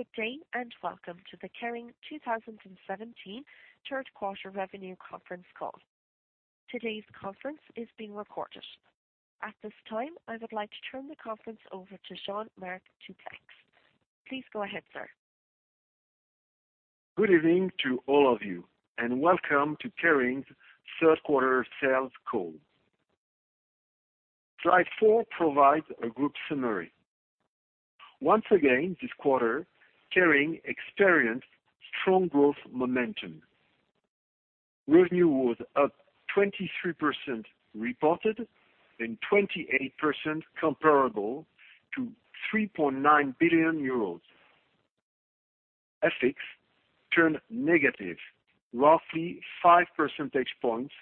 Good day, welcome to the Kering 2017 third quarter revenue conference call. Today's conference is being recorded. At this time, I would like to turn the conference over to Jean-Marc Duplaix. Please go ahead, sir. Good evening to all of you, welcome to Kering's third quarter sales call. Slide four provides a group summary. Once again, this quarter, Kering experienced strong growth momentum. Revenue was up 23% reported, 28% comparable to EUR 3.9 billion. FX turned negative, roughly five percentage points,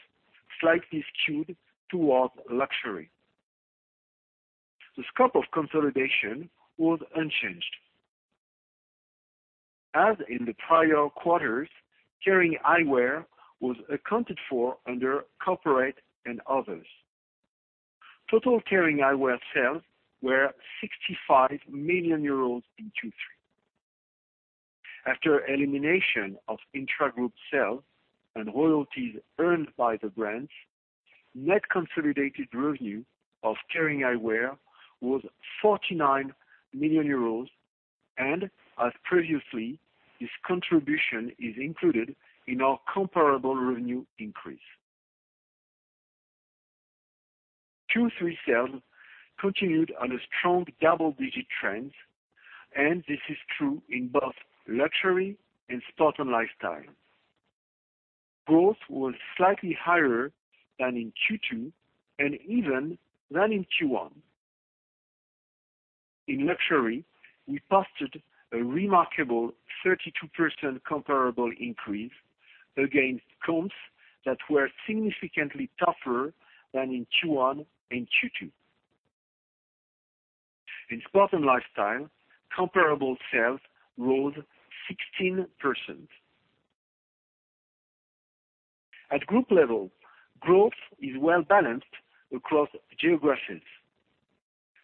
slightly skewed towards luxury. The scope of consolidation was unchanged. As in the prior quarters, Kering Eyewear was accounted for under corporate and others. Total Kering Eyewear sales were 65 million euros in Q3. After elimination of intragroup sales and royalties earned by the brands, net consolidated revenue of Kering Eyewear was 49 million euros, as previously, this contribution is included in our comparable revenue increase. Q3 sales continued on a strong double-digit trend, this is true in both luxury and sport and lifestyle. Growth was slightly higher than in Q2 and even than in Q1. In luxury, we posted a remarkable 32% comparable increase against comps that were significantly tougher than in Q1 and Q2. In sport and lifestyle, comparable sales rose 16%. At group level, growth is well-balanced across geographies.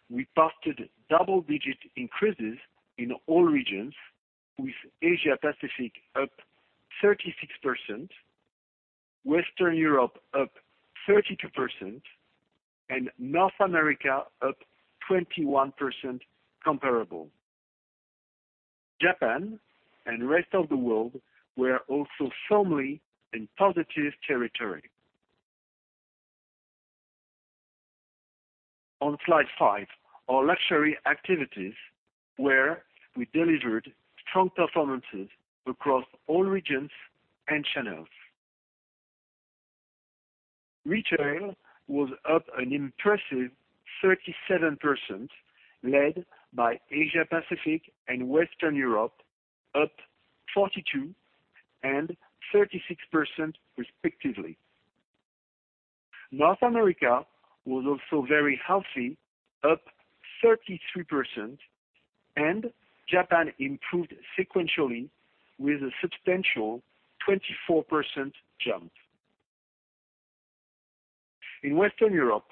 We posted double-digit increases in all regions, with Asia-Pacific up 36%, Western Europe up 32%, North America up 21% comparable. Japan and rest of the world were also firmly in positive territory. On slide five, our luxury activities, where we delivered strong performances across all regions and channels. Retail was up an impressive 37%, led by Asia-Pacific and Western Europe, up 42% and 36% respectively. North America was also very healthy, up 33%, Japan improved sequentially with a substantial 24% jump. In Western Europe,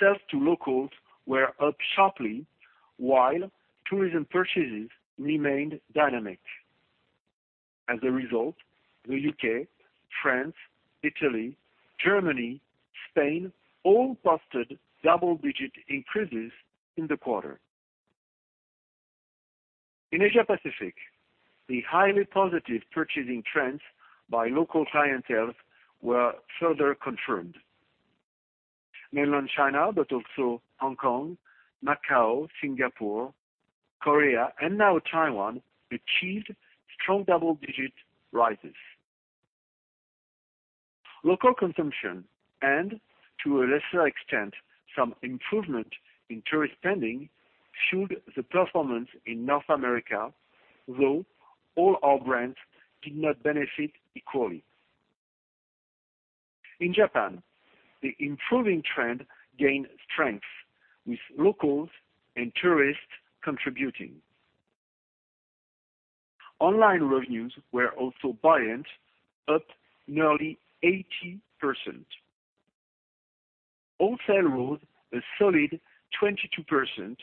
sales to locals were up sharply, while tourism purchases remained dynamic. As a result, the U.K., France, Italy, Germany, Spain all posted double-digit increases in the quarter. In Asia-Pacific, the highly positive purchasing trends by local clienteles were further confirmed. Mainland China, also Hong Kong, Macau, Singapore, Korea, and now Taiwan, achieved strong double-digit rises. Local consumption and, to a lesser extent, some improvement in tourist spending fueled the performance in North America, though all our brands did not benefit equally. In Japan, the improving trend gained strength, with locals and tourists contributing. Online revenues were also buoyant, up nearly 80%. Wholesale rose a solid 22%,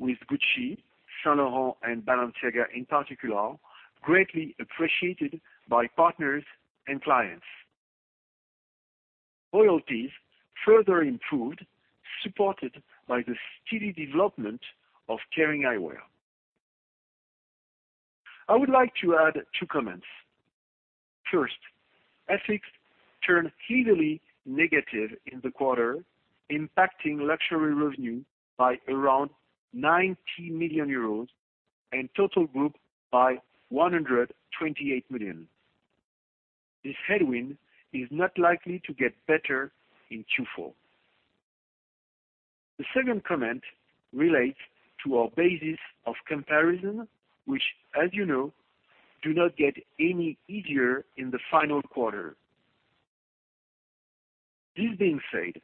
with Gucci, Saint Laurent, and Balenciaga, in particular, greatly appreciated by partners and clients. Royalties further improved, supported by the steady development of Kering Eyewear. I would like to add two comments. First, FX turned heavily negative in the quarter, impacting luxury revenue by around 90 million euros and total group by 128 million. This headwind is not likely to get better in Q4. The second comment relates to our basis of comparison, which as you know, do not get any easier in the final quarter. This being said,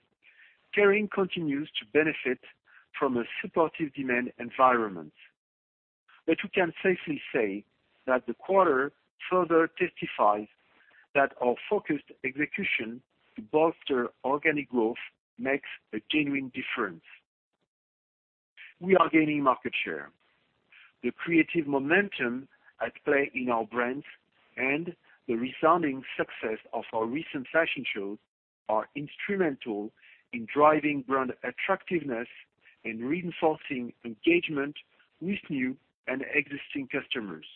Kering continues to benefit from a supportive demand environment. We can safely say that the quarter further testifies that our focused execution to bolster organic growth makes a genuine difference. We are gaining market share. The creative momentum at play in our brands and the resounding success of our recent fashion shows are instrumental in driving brand attractiveness and reinforcing engagement with new and existing customers.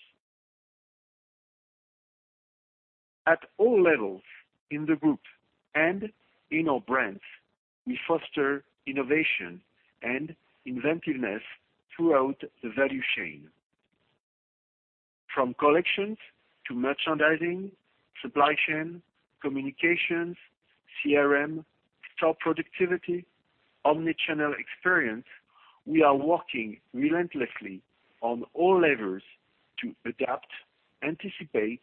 At all levels in the group and in our brands, we foster innovation and inventiveness throughout the value chain. From collections to merchandising, supply chain, communications, CRM, store productivity, omni-channel experience, we are working relentlessly on all levels to adapt, anticipate,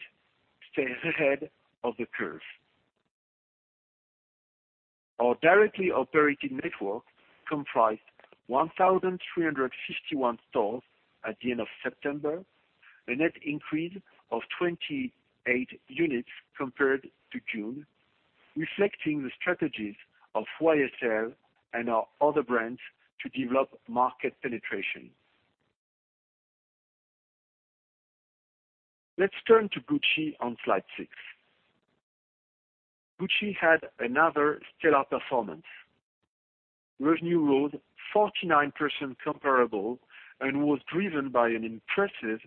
stay ahead of the curve. Our directly operated network comprised 1,351 stores at the end of September, a net increase of 28 units compared to June, reflecting the strategies of YSL and our other brands to develop market penetration. Let's turn to Gucci on slide six. Gucci had another stellar performance. Revenue rose 49% comparable and was driven by an impressive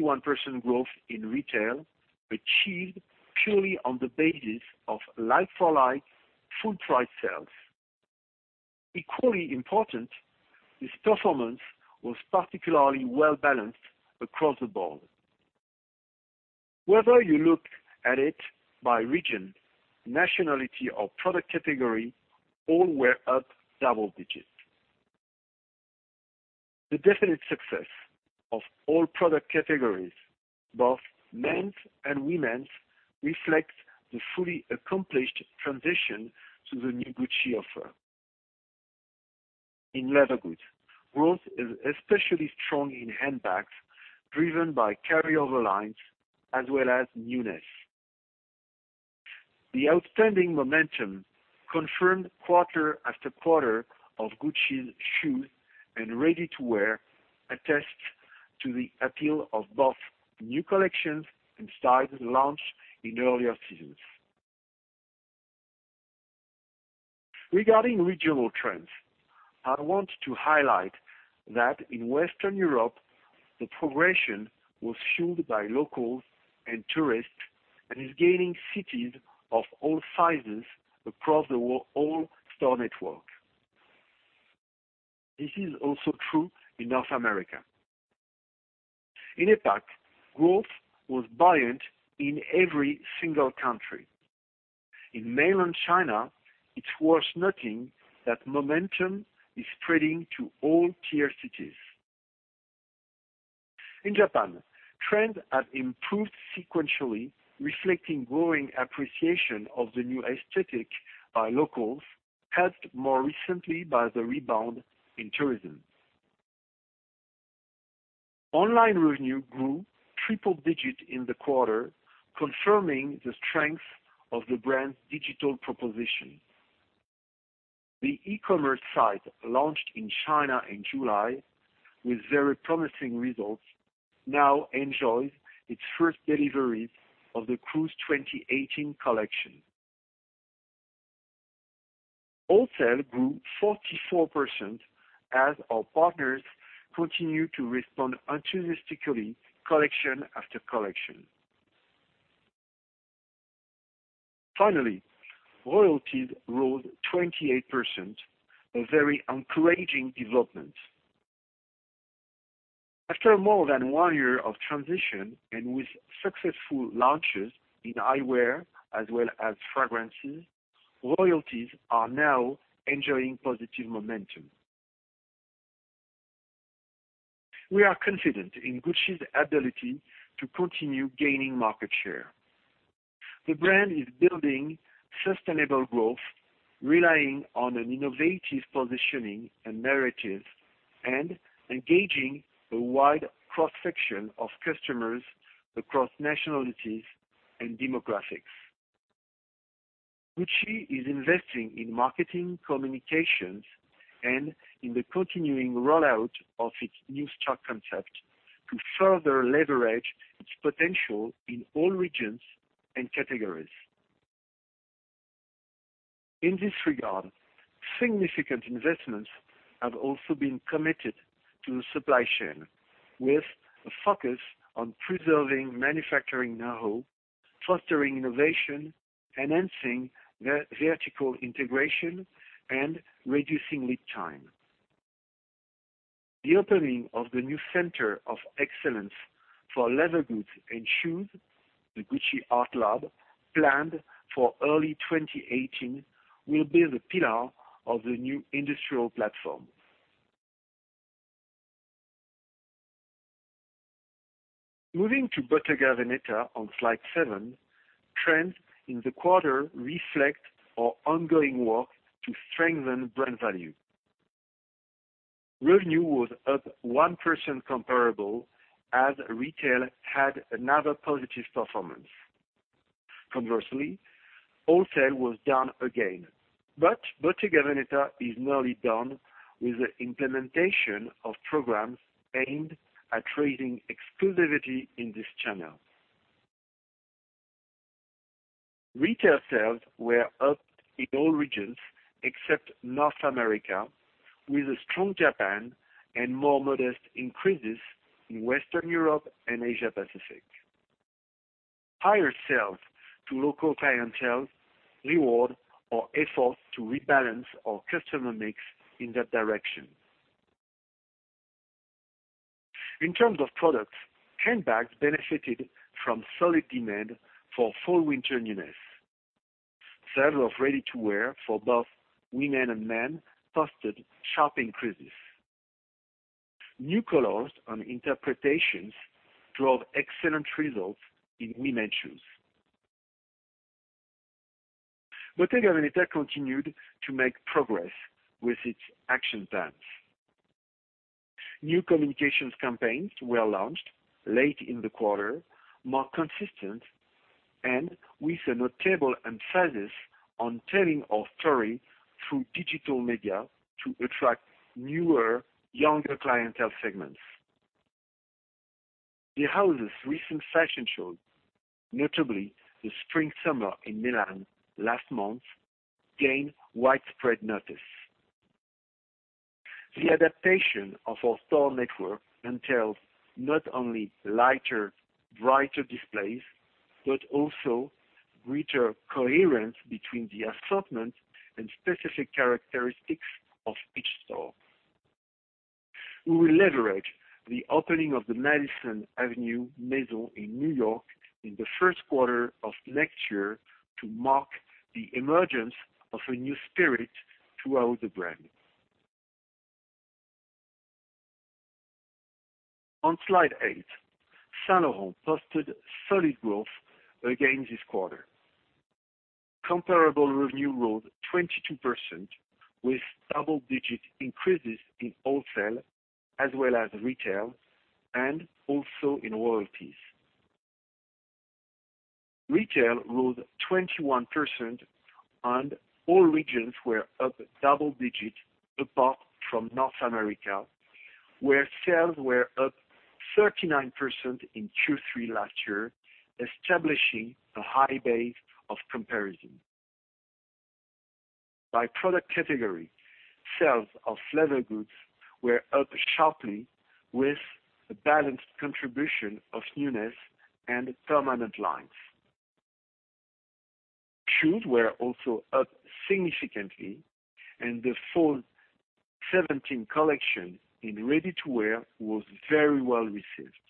51% growth in retail, achieved purely on the basis of like-for-like full price sales. Equally important, this performance was particularly well-balanced across the board. Whether you look at it by region, nationality, or product category, all were up double digits. The definite success of all product categories, both men's and women's, reflects the fully accomplished transition to the new Gucci offer. In leather goods, growth is especially strong in handbags, driven by carryover lines as well as newness. The outstanding momentum confirmed quarter after quarter of Gucci shoes and ready-to-wear attests to the appeal of both new collections and styles launched in earlier seasons. Regarding regional trends, I want to highlight that in Western Europe, the progression was fueled by locals and tourists and is gaining cities of all sizes across the whole store network. This is also true in North America. In APAC, growth was buoyant in every single country. In Mainland China, it's worth noting that momentum is spreading to all tier cities. In Japan, trends have improved sequentially, reflecting growing appreciation of the new aesthetic by locals, helped more recently by the rebound in tourism. Online revenue grew triple digits in the quarter, confirming the strength of the brand's digital proposition. The e-commerce site launched in China in July with very promising results, now enjoys its first deliveries of the Cruise 2018 collection. Wholesale grew 44% as our partners continue to respond enthusiastically collection after collection. Finally, royalties rose 28%, a very encouraging development. After more than one year of transition and with successful launches in eyewear as well as fragrances, royalties are now enjoying positive momentum. We are confident in Gucci's ability to continue gaining market share. The brand is building sustainable growth, relying on an innovative positioning and narrative, and engaging a wide cross-section of customers across nationalities and demographics. Gucci is investing in marketing communications and in the continuing rollout of its new store concept to further leverage its potential in all regions and categories. In this regard, significant investments have also been committed to the supply chain, with a focus on preserving manufacturing know-how, fostering innovation, enhancing vertical integration, and reducing lead time. The opening of the new center of excellence for leather goods and shoes, the Gucci ArtLab, planned for early 2018, will be the pillar of the new industrial platform. Moving to Bottega Veneta on slide seven, trends in the quarter reflect our ongoing work to strengthen brand value. Revenue was up 1% comparable as retail had another positive performance. Conversely, wholesale was down again, but Bottega Veneta is nearly done with the implementation of programs aimed at raising exclusivity in this channel. Retail sales were up in all regions except North America, with a strong Japan and more modest increases in Western Europe and Asia Pacific. Higher sales to local clientele reward our effort to rebalance our customer mix in that direction. In terms of products, handbags benefited from solid demand for fall/winter newness. Sales of ready-to-wear for both women and men posted sharp increases. New colors and interpretations drove excellent results in women's shoes. Bottega Veneta continued to make progress with its action plans. New communications campaigns were launched late in the quarter, more consistent, and with a notable emphasis on telling our story through digital media to attract newer, younger clientele segments. The house's recent fashion shows, notably the spring/summer in Milan last month, gained widespread notice. The adaptation of our store network entails not only lighter, brighter displays, but also greater coherence between the assortment and specific characteristics of each store. We will leverage the opening of the Madison Avenue Maison in New York in the first quarter of next year to mark the emergence of a new spirit throughout the brand. On slide eight, Saint Laurent posted solid growth again this quarter. Comparable revenue rose 22%, with double-digit increases in wholesale as well as retail, and also in royalties. Retail rose 21%, and all regions were up double digits apart from North America, where sales were up 39% in Q3 last year, establishing a high base of comparison. By product category, sales of leather goods were up sharply with a balanced contribution of newness and permanent lines. Shoes were also up significantly, and the fall '17 collection in ready-to-wear was very well received.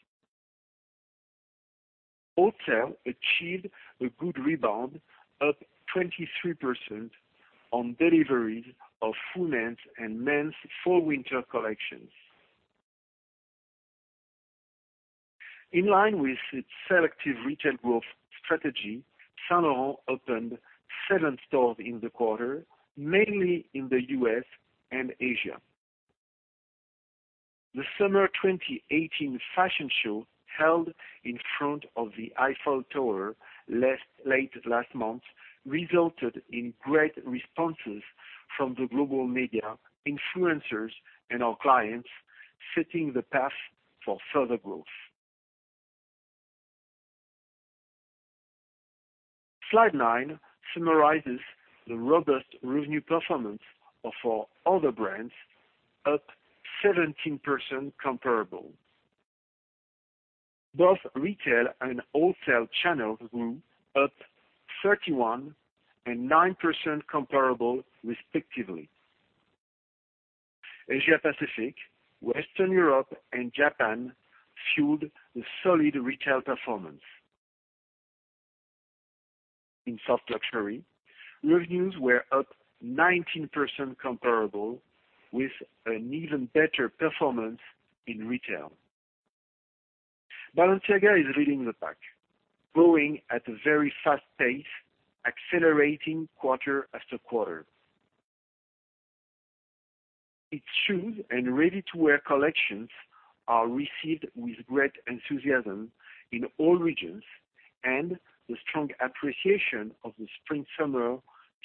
Wholesale achieved a good rebound, up 23%, on deliveries of women's and men's fall/winter collections. In line with its selective retail growth strategy, Saint Laurent opened seven stores in the quarter, mainly in the U.S. and Asia. The summer 2018 fashion show, held in front of the Eiffel Tower late last month, resulted in great responses from the global media, influencers, and our clients, setting the path for further growth. Slide nine summarizes the robust revenue performance of our other brands, up 17% comparable. Both retail and wholesale channels grew, up 31% and 9% comparable respectively. Asia Pacific, Western Europe, and Japan fueled a solid retail performance. In soft luxury, revenues were up 19% comparable, with an even better performance in retail. Balenciaga is leading the pack, growing at a very fast pace, accelerating quarter after quarter. Its shoes and ready-to-wear collections are received with great enthusiasm in all regions, and the strong appreciation of the spring/summer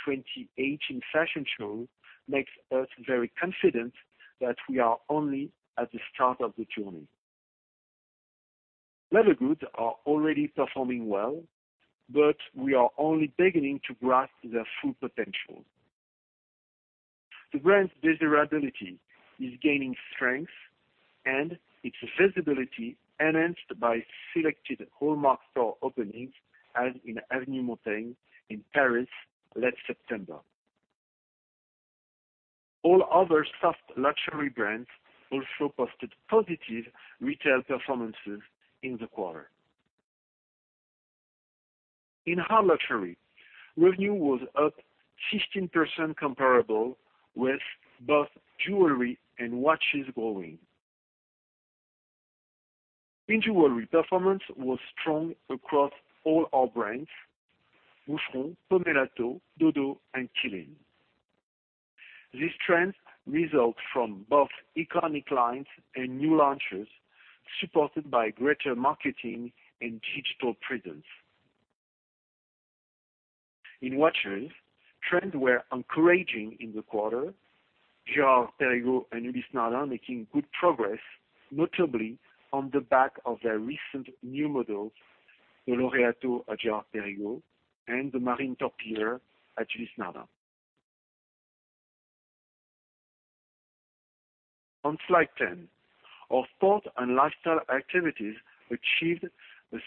2018 fashion show makes us very confident that we are only at the start of the journey. Leather goods are already performing well, but we are only beginning to grasp their full potential. The brand's desirability is gaining strength, and its visibility enhanced by selected hallmark store openings, as in Avenue Montaigne in Paris last September. All other soft luxury brands also posted positive retail performances in the quarter. In hard luxury, revenue was up 16% comparable with both jewelry and watches growing. In jewelry, performance was strong across all our brands, Boucheron, Pomellato, DoDo, and Qeelin. This trend results from both iconic lines and new launches, supported by greater marketing and digital presence. In watches, trends were encouraging in the quarter, Girard-Perregaux and Ulysse Nardin making good progress, notably on the back of their recent new models, Laureato at Girard-Perregaux and the Marine Torpilleur at Ulysse Nardin. On slide 10, our sport and lifestyle activities achieved a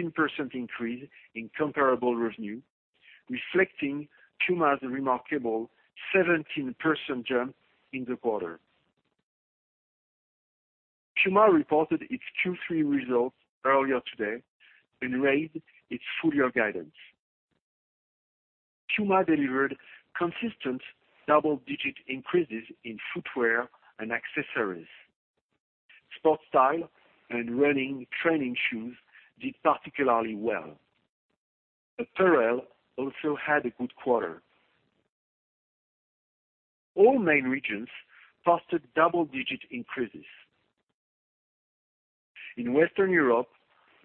16% increase in comparable revenue, reflecting PUMA's remarkable 17% jump in the quarter. PUMA reported its Q3 results earlier today and raised its full-year guidance. PUMA delivered consistent double-digit increases in footwear and accessories. Sportstyle and running training shoes did particularly well. Apparel also had a good quarter. All main regions posted double-digit increases. In Western Europe,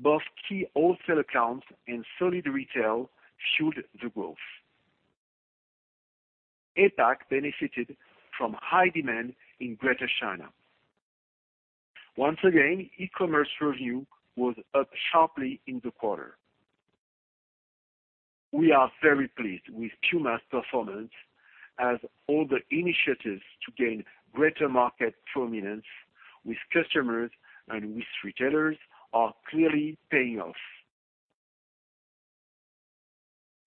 both key wholesale accounts and solid retail fueled the growth. APAC benefited from high demand in Greater China. Once again, e-commerce revenue was up sharply in the quarter. We are very pleased with PUMA's performance as all the initiatives to gain greater market prominence with customers and with retailers are clearly paying off.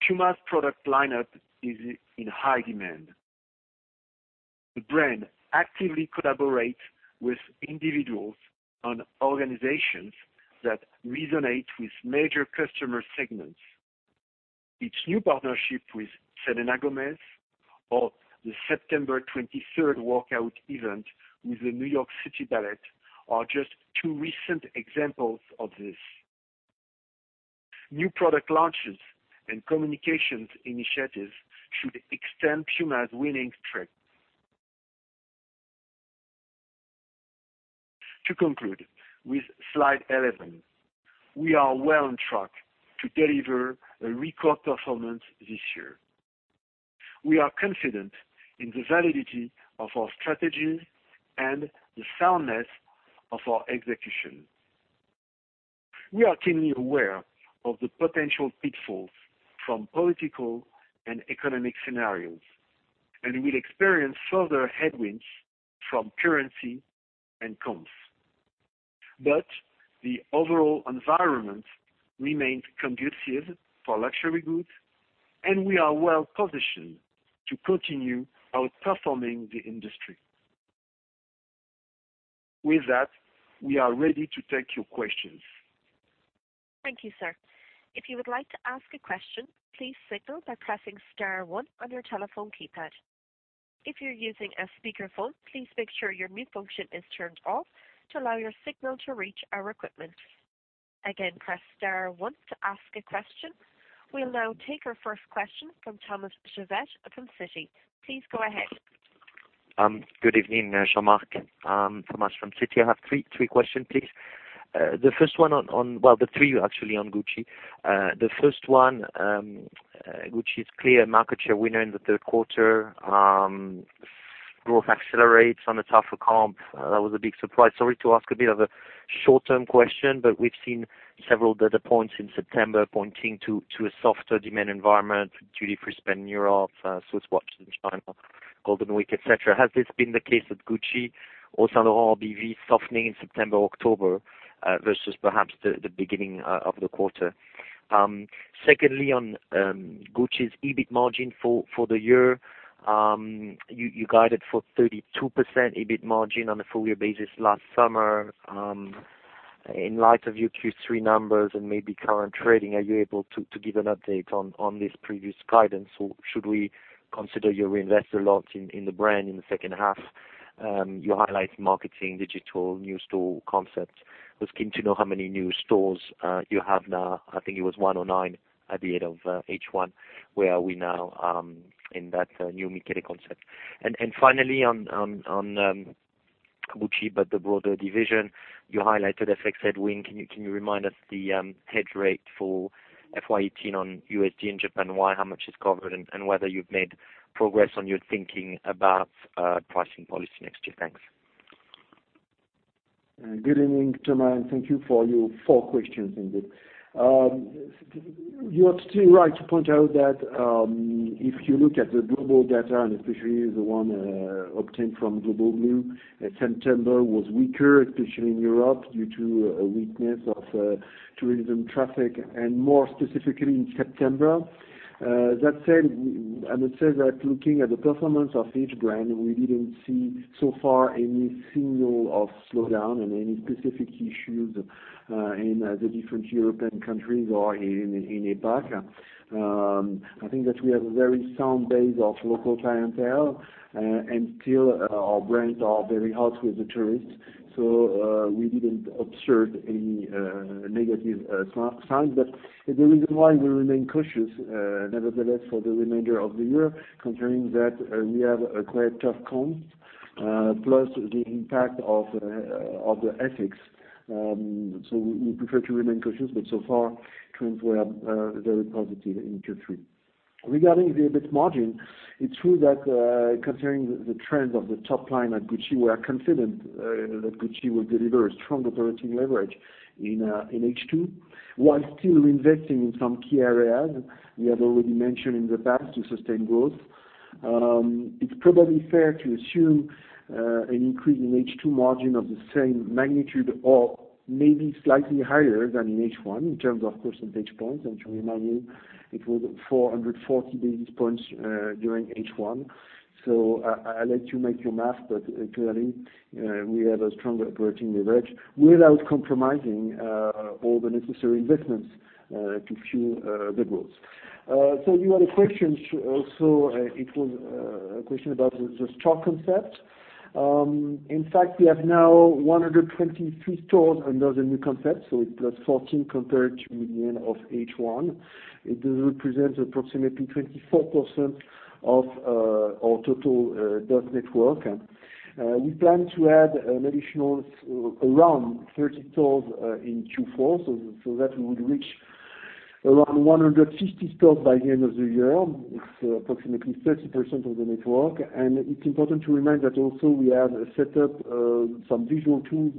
PUMA's product lineup is in high demand. The brand actively collaborates with individuals and organizations that resonate with major customer segments. Its new partnership with Selena Gomez or the September 23rd workout event with the New York City Ballet are just two recent examples of this. New product launches and communications initiatives should extend PUMA's winning streak. To conclude with slide 11, we are well on track to deliver a record performance this year. We are confident in the validity of our strategy and the soundness of our execution. We are keenly aware of the potential pitfalls from political and economic scenarios, and will experience further headwinds from currency and comps. The overall environment remains conducive for luxury goods, and we are well positioned to continue outperforming the industry. With that, we are ready to take your questions. Thank you, sir. If you would like to ask a question, please signal by pressing star one on your telephone keypad. If you are using a speakerphone, please make sure your mute function is turned off to allow your signal to reach our equipment. Again, press star one to ask a question. We will now take our first question from Thomas Chauvet of Citi. Please go ahead. Good evening, Jean-Marc. Thomas from Citi. I have three questions, please. The first one, well, the three are actually on Gucci. The first one, Gucci is clear market share winner in the third quarter. Growth accelerates on the tougher comp. That was a big surprise. Sorry to ask a bit of a short-term question, we've seen several data points in September pointing to a softer demand environment, duty-free spend in Europe, Swiss watch in China, Golden Week, et cetera. Has this been the case with Gucci, also the RV softening in September, October, versus perhaps the beginning of the quarter? Secondly, on Gucci's EBIT margin for the year, you guided for 32% EBIT margin on a full-year basis last summer. In light of your Q3 numbers and maybe current trading, are you able to give an update on this previous guidance? Should we consider you reinvest a lot in the brand in the second half? You highlight marketing, digital, new store concepts. Was keen to know how many new stores you have now. I think it was 109 at the end of H1. Where are we now in that new Michele concept? Finally on Gucci, the broader division, you highlighted FX headwind. Can you remind us the hedge rate for FY 2018 on USD and JPY, how much is covered and whether you've made progress on your thinking about pricing policy next year? Thanks. Good evening, Thomas, thank you for your four questions indeed. You are still right to point out that if you look at the global data, especially the one obtained from Global Blue, September was weaker, especially in Europe, due to a weakness of tourism traffic, more specifically in September. That said, looking at the performance of each brand, we didn't see so far any signal of slowdown and any specific issues in the different European countries or in APAC. I think that we have a very sound base of local clientele, still our brands are very hot with the tourists, we didn't observe any negative signs. The reason why we remain cautious, nevertheless, for the remainder of the year, considering that we have a quite tough comp Plus the impact of the FX. We prefer to remain cautious, so far, trends were very positive in Q3. Regarding the EBIT margin, it's true that considering the trends of the top line at Gucci, we are confident that Gucci will deliver a strong operating leverage in H2 while still investing in some key areas, we have already mentioned in the past, to sustain growth. It's probably fair to assume an increase in H2 margin of the same magnitude or maybe slightly higher than in H1 in terms of percentage points. To remind you, it was 440 basis points during H1. I let you make your math, clearly, we have a stronger operating leverage without compromising all the necessary investments to fuel the growth. You had a question also, it was a question about the store concept. In fact, we have now 123 stores under the new concept, plus 14 compared to the end of H1. It does represent approximately 24% of our total store network. We plan to add an additional around 30 stores in Q4, that we would reach around 150 stores by the end of the year. It's approximately 30% of the network. It's important to remind that also we have set up some visual tools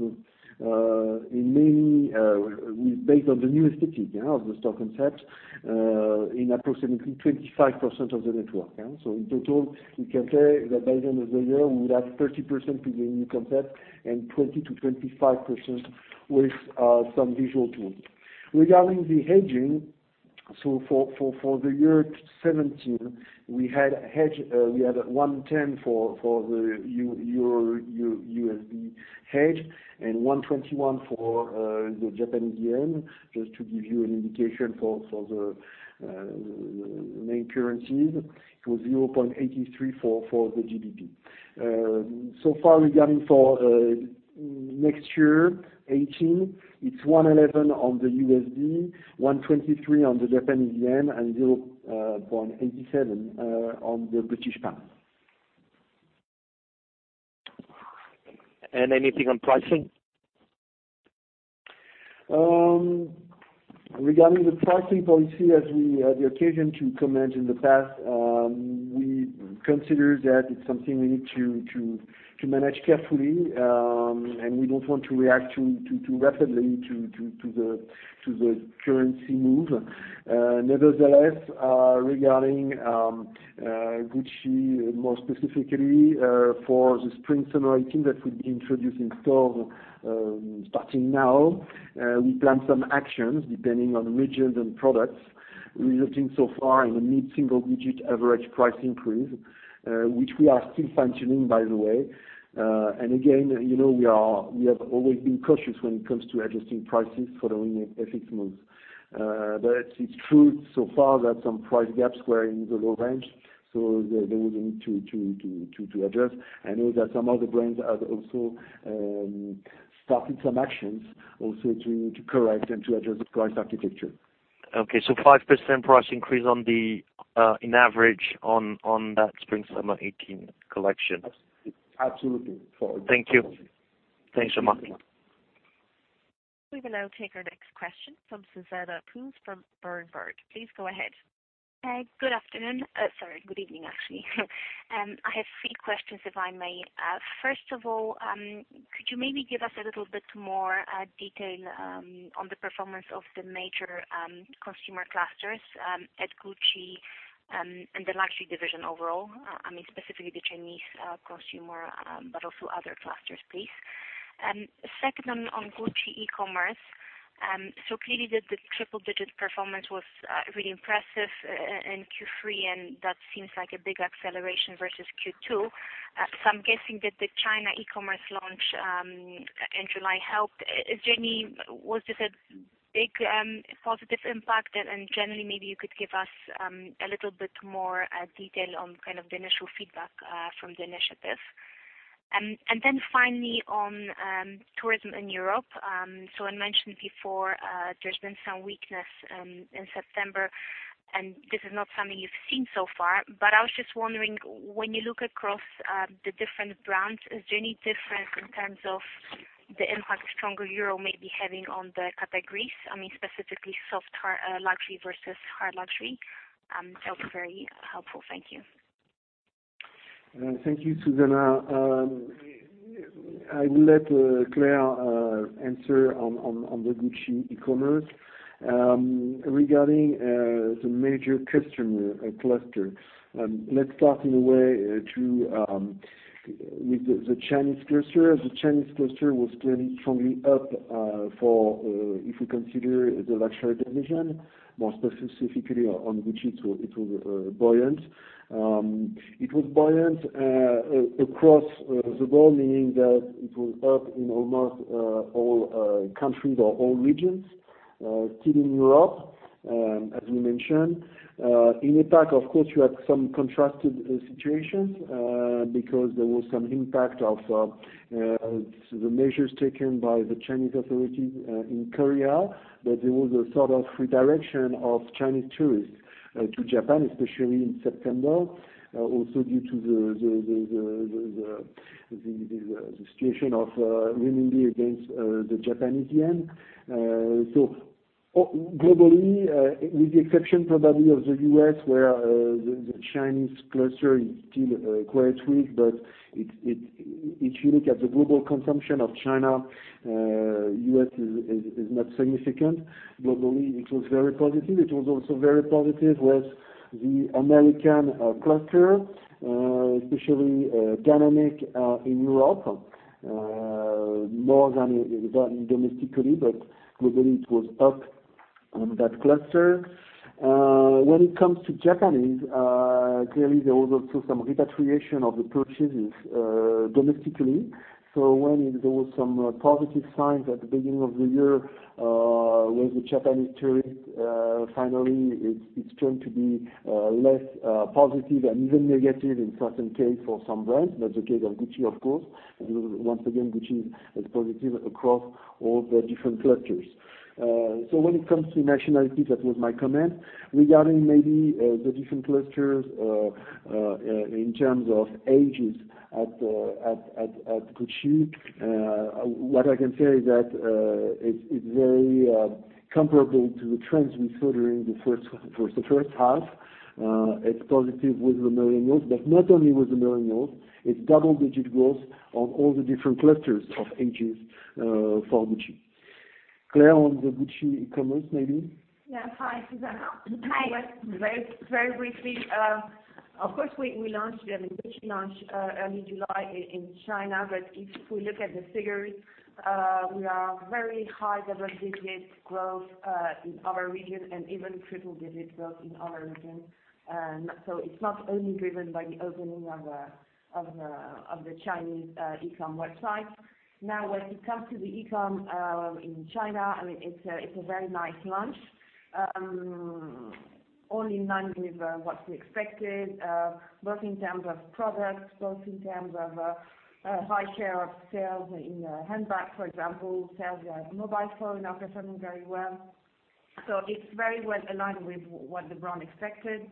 based on the new aesthetic of the store concept in approximately 25% of the network. In total, we can say that by the end of the year, we would have 30% with the new concept and 20%-25% with some visual tools. Regarding the hedging, for the year 2017, we had 110 for the Euro-USD hedge and 121, just to give you an indication for the main currencies. It was 0.83. So far, regarding for next year, 2018, it's 111, JPY 123, and 0.87. Anything on pricing? Regarding the pricing policy, as we had the occasion to comment in the past, we consider that it's something we need to manage carefully. We don't want to react too rapidly to the currency move. Nevertheless, regarding Gucci, more specifically, for the Spring/Summer 2018 that will be introduced in store starting now, we plan some actions depending on regions and products, resulting so far in a mid-single-digit average price increase, which we are still fine-tuning, by the way. Again, we have always been cautious when it comes to adjusting prices following FX moves. It's true so far that some price gaps were in the low range, so they would need to adjust. I know that some other brands have also started some actions also to correct and to adjust the price architecture. Okay, 5% price increase on the, in average on that Spring/Summer 2018 collection. Absolutely. Thank you. Thanks so much. We will now take our next question from Zuzanna Pusz from Berenberg. Please go ahead. Good afternoon. Sorry, good evening, actually. I have three questions, if I may. First of all, could you maybe give us a little bit more detail on the performance of the major consumer clusters at Gucci and the luxury division overall? I mean, specifically the Chinese consumer, but also other clusters, please. Second, on Gucci e-commerce. Clearly, the triple-digit performance was really impressive in Q3, and that seems like a big acceleration versus Q2. I'm guessing that the China e-commerce launch in July helped. Was this a big positive impact? Generally, maybe you could give us a little bit more detail on kind of the initial feedback from the initiative. Finally on tourism in Europe. I mentioned before there's been some weakness in September, and this is not something you've seen so far. I was just wondering, when you look across the different brands, is there any difference in terms of the impact stronger euro may be having on the categories? I mean, specifically soft luxury versus hard luxury. That would be very helpful. Thank you. Thank you, Zuzanna. I will let Claire answer on the Gucci e-commerce. Regarding the major customer cluster, let's start in a way with the Chinese cluster. The Chinese cluster was clearly strongly up for, if you consider the luxury division, more specifically on Gucci, it was buoyant. It was buoyant across the board, meaning that it was up in almost all countries or all regions. Still in Europe, as we mentioned. In APAC, of course, you had some contrasted situations because there was some impact of the measures taken by the Chinese authorities in Korea, but there was a sort of redirection of Chinese tourists to Japan, especially in September, also due to the situation of renminbi against the Japanese yen. Globally, with the exception probably of the U.S., where the Chinese cluster is still quite weak, but if you look at the global consumption of China, U.S. is not significant. Globally, it was very positive. It was also very positive with the American cluster, especially dynamic in Europe, more than domestically, but globally, it was up on that cluster. When it comes to Japanese, clearly there was also some repatriation of the purchases domestically. When there were some positive signs at the beginning of the year with the Japanese tourist, finally, it's turned to be less positive and even negative in certain case for some brands. That's the case of Gucci, of course. Once again, Gucci is positive across all the different clusters. When it comes to nationality, that was my comment. Regarding maybe the different clusters in terms of ages at Gucci, what I can say is that it's very comparable to the trends we saw during the first half. It's positive with the millennials, but not only with the millennials. It's double-digit growth on all the different clusters of ages for Gucci. Claire, on the Gucci e-commerce, maybe? Hi, Zuzanna. Hi. Very briefly, of course, we launched the ambition launch early July in China, but if we look at the figures, we are very high double-digit growth in our region and even triple-digit growth in our region. It's not only driven by the opening of the Chinese e-com website. When it comes to the e-com in China, it's a very nice launch, only in line with what we expected, both in terms of products, both in terms of high share of sales in handbags, for example, sales via mobile phone are performing very well. It's very well aligned with what the brand expected.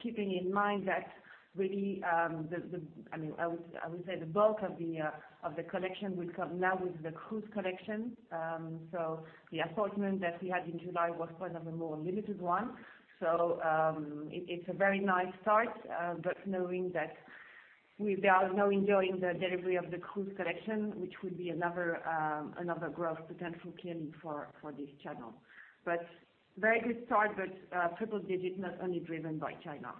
Keeping in mind that really, I would say the bulk of the collection will come now with the Cruise collection. The assortment that we had in July was kind of a more limited one. It's a very nice start, but knowing that we are now enjoying the delivery of the Cruise collection, which would be another growth potential clearly for this channel. Very good start, but triple-digit, not only driven by China.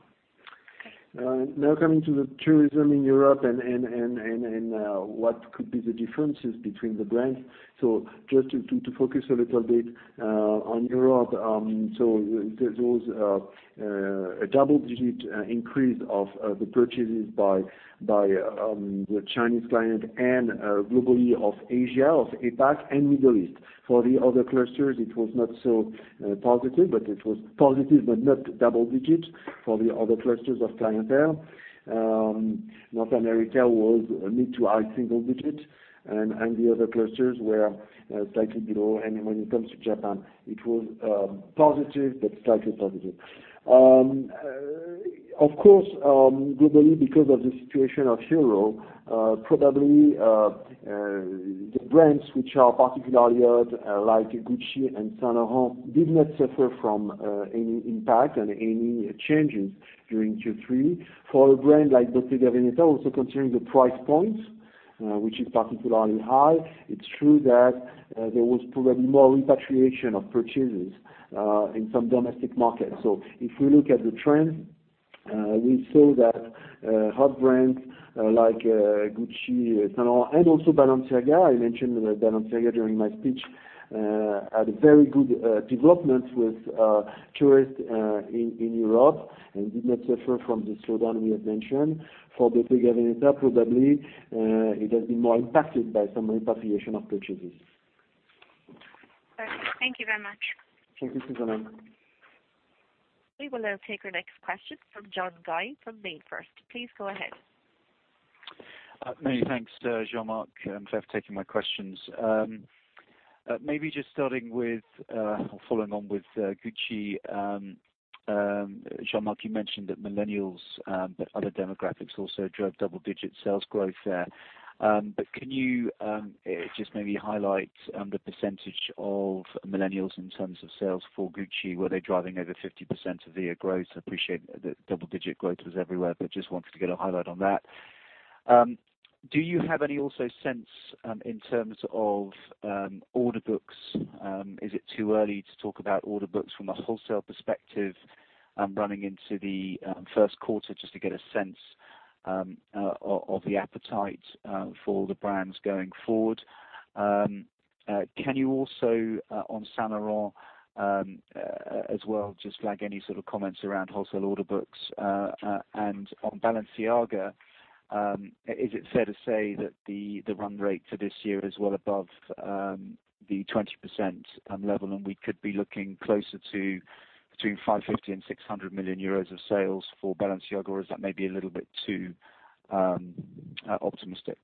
Coming to the tourism in Europe and what could be the differences between the brands. Just to focus a little bit on Europe. There's a double-digit increase of the purchases by the Chinese client and globally of Asia, of APAC and Middle East. For the other clusters, it was not so positive, but it was positive, but not double-digits for the other clusters of clientele. North America was mid to high single-digit, and the other clusters were slightly below. When it comes to Japan, it was positive, but slightly positive. Of course, globally, because of the situation of EUR probably, the brands which are particularly odd, like Gucci and Saint Laurent, did not suffer from any impact and any changes during Q3. For a brand like Bottega Veneta, also considering the price points, which is particularly high, it's true that there was probably more repatriation of purchases in some domestic markets. If we look at the trend, we see that hot brands like Gucci, Saint Laurent, and also Balenciaga, I mentioned Balenciaga during my speech, had very good developments with tourists in Europe and did not suffer from the slowdown we have mentioned. For Bottega Veneta, probably it has been more impacted by some repatriation of purchases. Perfect. Thank you very much. Thank you, Susanna. We will now take our next question from John Guy from MainFirst Bank. Please go ahead. Many thanks, Jean-Marc, for taking my questions. Maybe just starting with or following on with Gucci. Jean-Marc, you mentioned that millennials, that other demographics also drove double-digit sales growth there. Can you just maybe highlight the percentage of millennials in terms of sales for Gucci? Were they driving over 50% of the growth? I appreciate that double-digit growth was everywhere, just wanted to get a highlight on that. Do you have any also sense in terms of order books? Is it too early to talk about order books from a wholesale perspective running into the first quarter just to get a sense of the appetite for the brands going forward? Can you also, on Saint Laurent as well, just any sort of comments around wholesale order books. On Balenciaga, is it fair to say that the run rate for this year is well above the 20% level, and we could be looking closer to between 550 million and 600 million euros of sales for Balenciaga, or is that maybe a little bit too optimistic?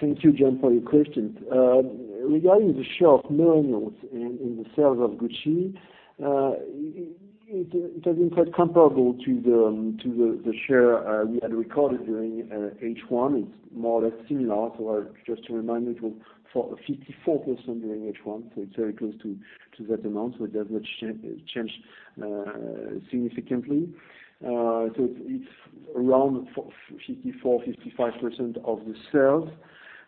Thank you, John, for your questions. Regarding the share of millennials in the sales of Gucci, it has been quite comparable to the share we had recorded during H1. It's more or less similar. Just a reminder, it was 54% during H1, it's very close to that amount, it has not changed significantly. It's around 54%-55% of the sales.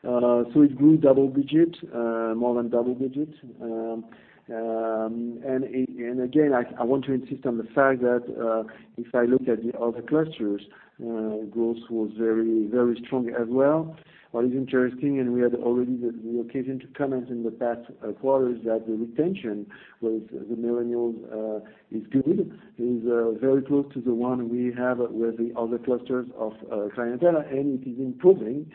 It grew double digit, more than double digit. Again, I want to insist on the fact that if I look at the other clusters, growth was very strong as well. What is interesting, we had already the occasion to comment in the past quarters, that the retention with the millennials is good. It is very close to the one we have with the other clusters of clientele, and it is improving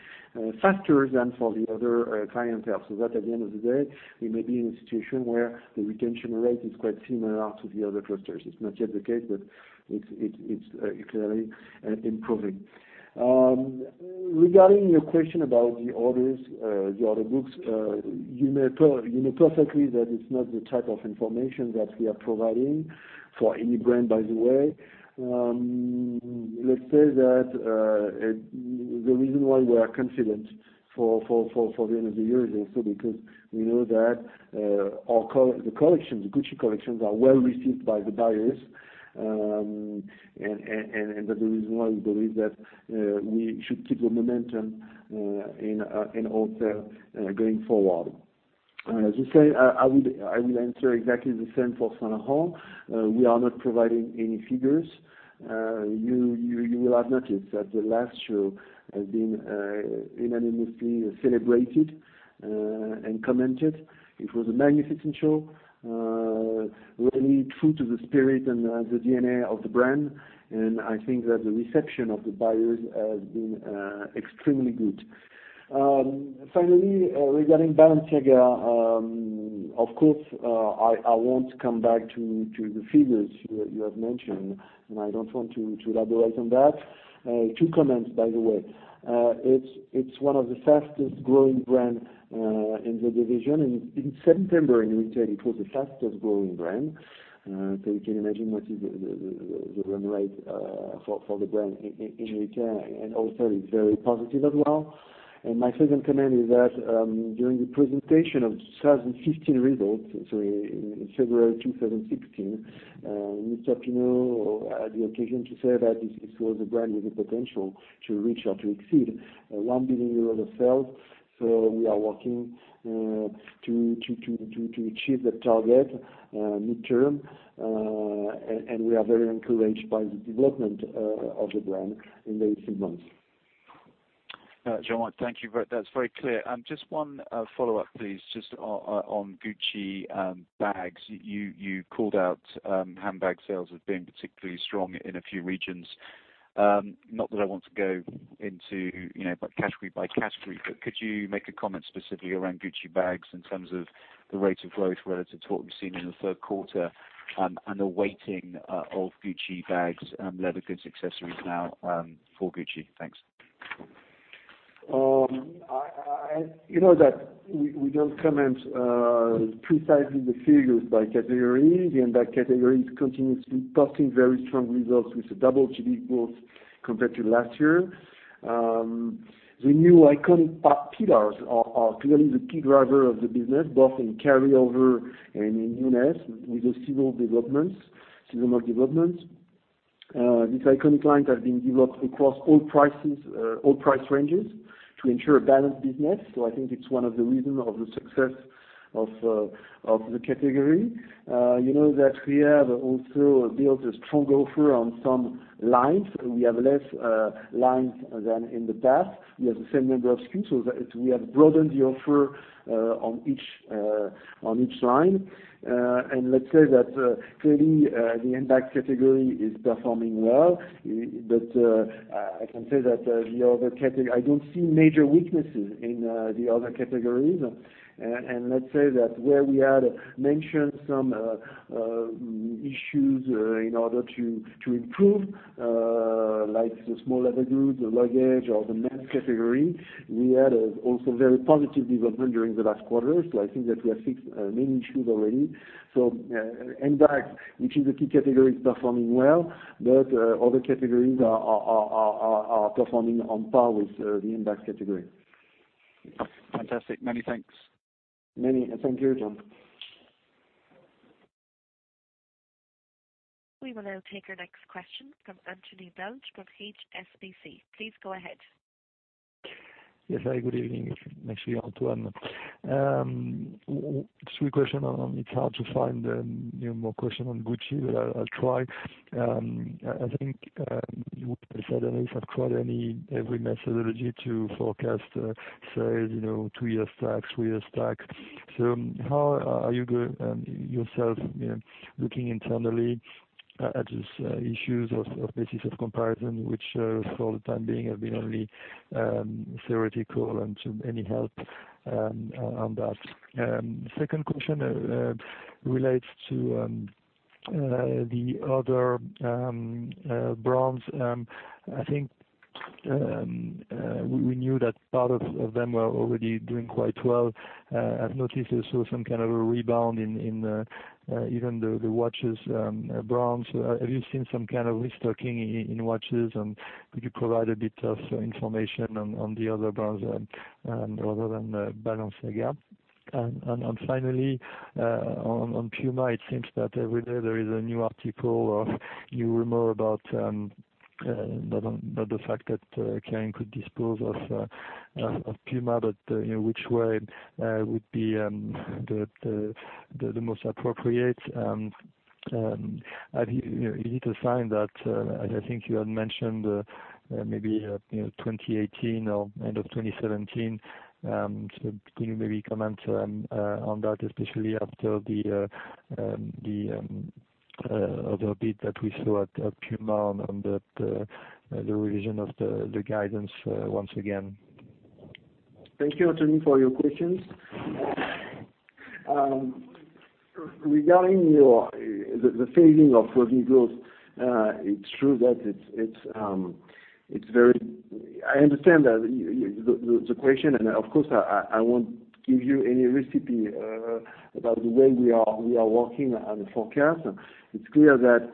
faster than for the other clientele. That at the end of the day, we may be in a situation where the retention rate is quite similar to the other clusters. It's not yet the case, it's clearly improving. Regarding your question about the orders, the order books, you know perfectly that it's not the type of information that we are providing for any brand, by the way. Let's say that the reason why we are confident for the end of the year is also because we know that the Gucci collections are well received by the buyers, the reason why we believe that we should keep the momentum in order going forward. As you say, I will answer exactly the same for Saint Laurent. We are not providing any figures. You will have noticed that the last show has been unanimously celebrated and commented. It was a magnificent show, really true to the spirit and the DNA of the brand, and I think that the reception of the buyers has been extremely good. Finally, regarding Balenciaga, of course, I won't come back to the figures you have mentioned, and I don't want to elaborate on that. Two comments, by the way. It's one of the fastest-growing brands in the division, and in September, in retail, it was the fastest-growing brand. You can imagine what is the run rate for the brand in retail, and also it's very positive as well. My second comment is that during the presentation of 2015 results, in February 2016, Mr. Pinault had the occasion to say that it was a brand with the potential to reach or to exceed 1 billion euros of sales. We are working to achieve that target mid-term, and we are very encouraged by the development of the brand in the recent months. Jean-Marc, thank you. That's very clear. Just one follow-up, please, just on Gucci bags. You called out handbag sales as being particularly strong in a few regions. Not that I want to go into category by category, but could you make a comment specifically around Gucci bags in terms of the rate of growth relative to what we've seen in the third quarter and the weighting of Gucci bags and leather goods accessories now for Gucci? Thanks. You know that we don't comment precisely the figures by category. The handbag category is continuously posting very strong results with a double-digit growth compared to last year. The new iconic bag pillars are clearly the key driver of the business, both in carryover and in newness, with a similar development. This iconic line has been developed across all price ranges to ensure a balanced business. I think it's one of the reasons of the success of the category. You know that we have also built a strong offer on some lines. We have less lines than in the past. We have the same number of SKUs, so we have broadened the offer on each line. Let's say that clearly the handbag category is performing well, but I can say that I don't see major weaknesses in the other categories. Let's say that where we had mentioned some issues in order to improve, like the small leather goods, the luggage, or the men's category, we had also very positive development during the last quarter. I think that we have fixed many issues already. Handbags, which is a key category, is performing well, but other categories are performing on par with the handbag category. Fantastic. Many thanks. Thank you, John. We will now take our next question from Antoine Belge with HSBC. Please go ahead. Yes, good evening. It is actually Antoine. Three questions. It is hard to find more questions on Gucci, but I will try. I think you said analysts have tried every methodology to forecast sales, two years back, three years back. How are you yourself looking internally? At these issues of basis of comparison, which for the time being have been only theoretical, and any help on that. Second question relates to the other brands. I have noticed also some kind of a rebound in even the watches brands. Have you seen some kind of restocking in watches? Could you provide a bit of information on the other brands other than Balenciaga? Finally, on PUMA, it seems that every day there is a new article or new rumor about not the fact that Kering could dispose of PUMA, but which way would be the most appropriate. Is it a sign that, I think you had mentioned maybe 2018 or end of 2017. Can you maybe comment on that, especially after the other bit that we saw at PUMA on the revision of the guidance once again? Thank you, Antoine, for your questions. Regarding the phasing of rosy growth, it is true that. I understand the question, and of course, I won't give you any recipe about the way we are working on the forecast. It is clear that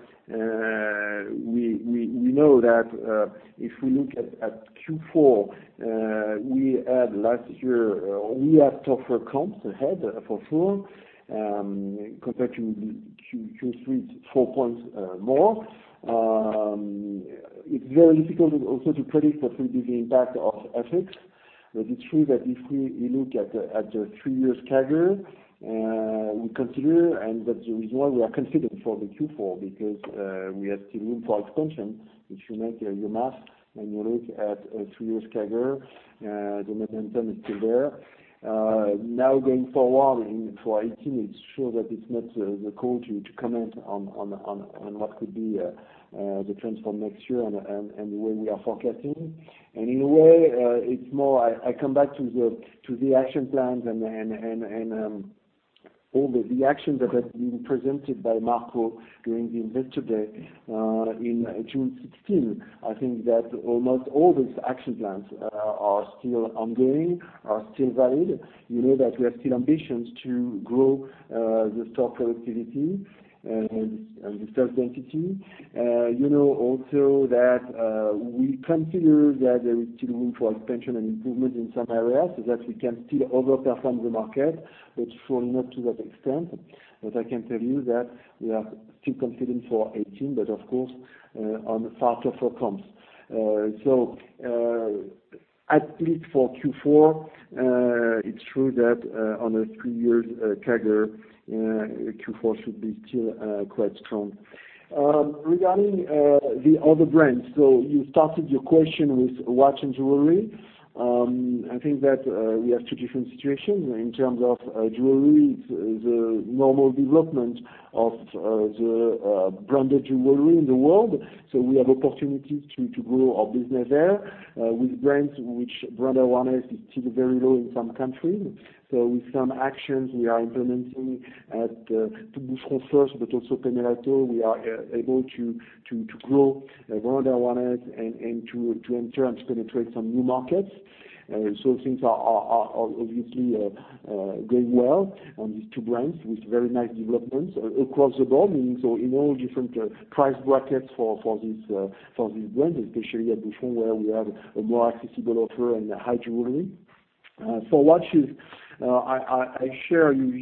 we know that if we look at Q4, we had last year, we had tougher comps ahead for sure. Compared to Q3, it is four points more. It is very difficult also to predict what will be the impact of FX. It is true that if we look at the three years CAGR, we consider, and that is the reason why we are confident for the Q4, because we have still room for expansion. If you make your math and you look at a three-year CAGR, the momentum is still there. Going forward for 2018, it is sure that it is not the call to comment on what could be the trends for next year and the way we are forecasting. In a way, it is more I come back to the action plans and all the actions that have been presented by Marco during the Investor Day in June 2016. I think that almost all these action plans are still ongoing, are still valid. You know that we have still ambitions to grow the store productivity and the store density. You know also that we consider that there is still room for expansion and improvement in some areas, so that we can still over-perform the market, but for not to that extent. I can tell you that we are still confident for 2018, but of course, on far tougher comps. At least for Q4, it's true that on a 3-year CAGR, Q4 should be still quite strong. Regarding the other brands, you started your question with watch and jewelry. I think that we have two different situations. In terms of jewelry, it's the normal development of the branded jewelry in the world. We have opportunities to grow our business there. With brands, which brand awareness is still very low in some countries. With some actions we are implementing at Boucheron first, but also Panerai, we are able to grow brand awareness and to enter and penetrate some new markets. Things are obviously going well on these two brands with very nice development across the board, meaning in all different price brackets for these brands, especially at Boucheron where we have a more accessible offer in the high jewelry. For watches, I may share your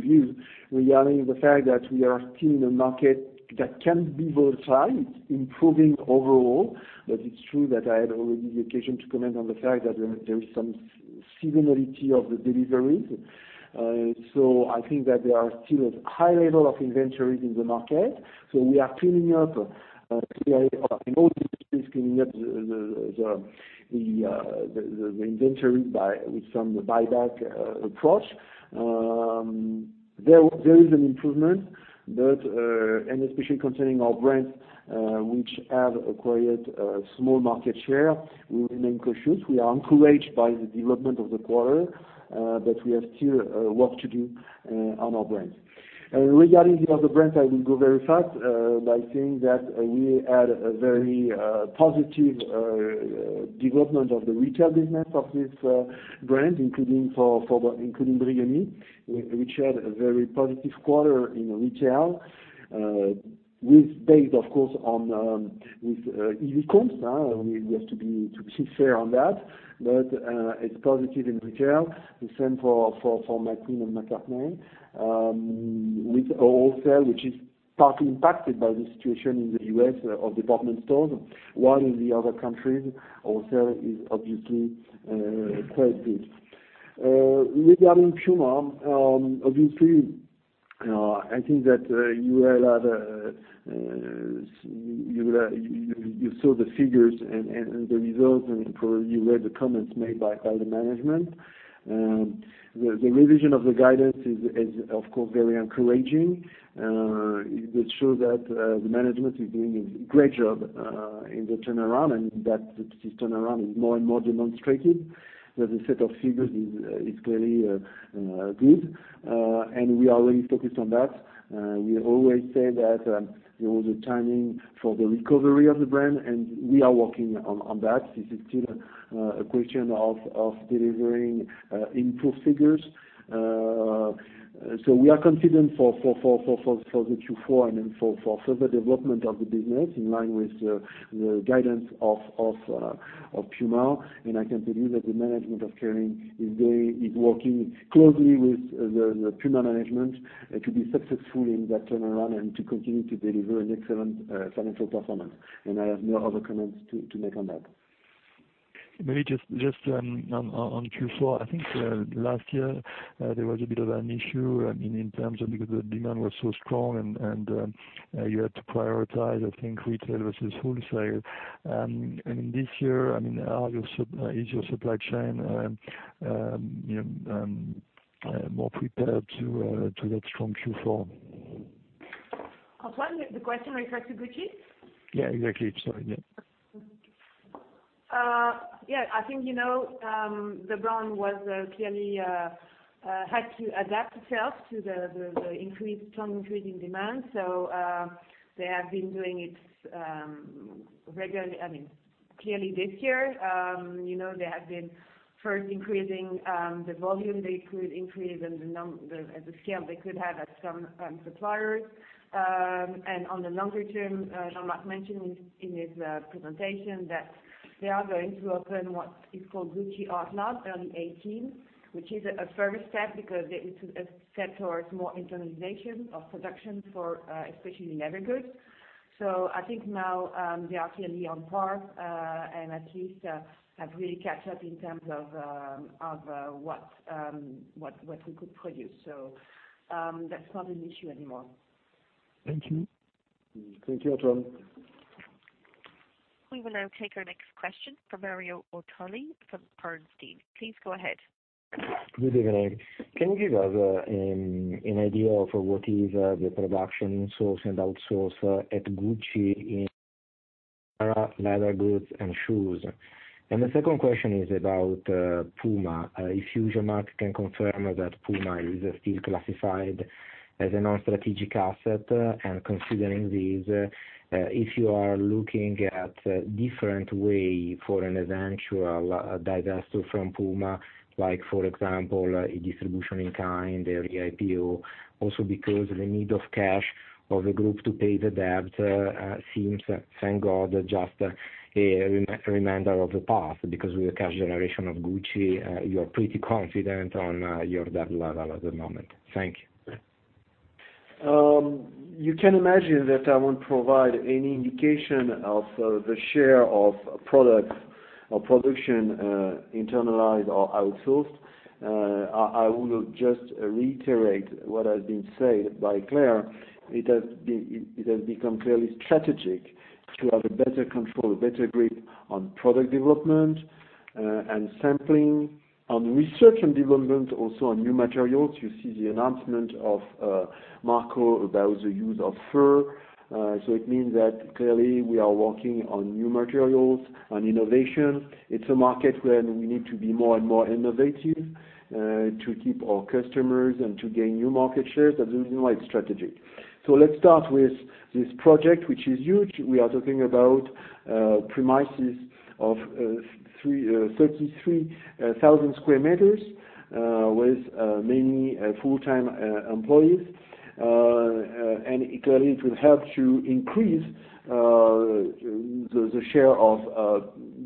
view regarding the fact that we are still in a market that can be volatile. It's improving overall, it's true that I had already the occasion to comment on the fact that there is some seasonality of the deliveries. I think that there are still a high level of inventories in the market. We are cleaning up, in all businesses, cleaning up the inventory with some buyback approach. There is an improvement, especially concerning our brands, which have acquired a small market share, we remain cautious. We are encouraged by the development of the quarter, we have still work to do on our brands. Regarding the other brands, I will go very fast by saying that we had a very positive development of the retail business of this brand, including Brioni, which had a very positive quarter in retail, based, of course, on easy comps. We have to be fair on that, it's positive in retail. The same for McQueen and McCartney. With wholesale, which is partly impacted by the situation in the U.S. of department stores, while in the other countries, wholesale is obviously quite good. Regarding PUMA, I think that you saw the figures and the results, and probably you read the comments made by the management. The revision of the guidance is, of course, very encouraging. It shows that the management is doing a great job in the turnaround and that this turnaround is more and more demonstrated, that the set of figures is clearly good. We are really focused on that. We always say that there was a timing for the recovery of the brand, and we are working on that. This is still a question of delivering improved figures. We are confident for the Q4 and then for further development of the business in line with the guidance of Puma. I can tell you that the management of Kering is working closely with the Puma management to be successful in that turnaround and to continue to deliver an excellent financial performance. I have no other comments to make on that. Maybe just on Q4, I think last year, there was a bit of an issue in terms of because the demand was so strong, and you had to prioritize, I think retail versus wholesale. In this year, is your supply chain more prepared to that strong Q4? Antoine, the question refers to Gucci? Yeah, exactly. Sorry. Yeah. Yeah, I think the brand clearly had to adapt itself to the strong increasing demand. They have been doing it regularly. Clearly this year, they have been first increasing the volume they could increase and the scale they could have at some suppliers. On the longer term, Jean-Marc mentioned in his presentation that they are going to open what is called Gucci ArtLab early 2018, which is a service step because it is a step towards more internalization of production for especially leather goods. I think now, they are clearly on par, and at least have really caught up in terms of what we could produce. That's not an issue anymore. Thank you. Thank you, Antoine. We will now take our next question from Mario Ortelli from Bernstein. Please go ahead. Good evening. Can you give us an idea of what is the production source and outsource at Gucci in leather goods and shoes? The second question is about PUMA. If you, Jean-Marc, can confirm that PUMA is still classified as a non-strategic asset. Considering this, if you are looking at different way for an eventual divesture from PUMA, like for example, a distribution in kind, a re-IPO, also because the need of cash of the group to pay the debt seems, thank God, just a reminder of the past. Because with the cash generation of Gucci, you're pretty confident on your debt level at the moment. Thank you. You can imagine that I won't provide any indication of the share of production internalized or outsourced. I will just reiterate what has been said by Claire. It has become clearly strategic to have a better control, a better grip on product development and sampling. On research and development, also on new materials, you see the announcement of Marco about the use of fur. It means that clearly we are working on new materials, on innovation. It's a market where we need to be more and more innovative, to keep our customers and to gain new market shares, and this is why it's strategic. Let's start with this project, which is huge. We are talking about premises of 33,000 sq m, with many full-time employees. It will help to increase the share of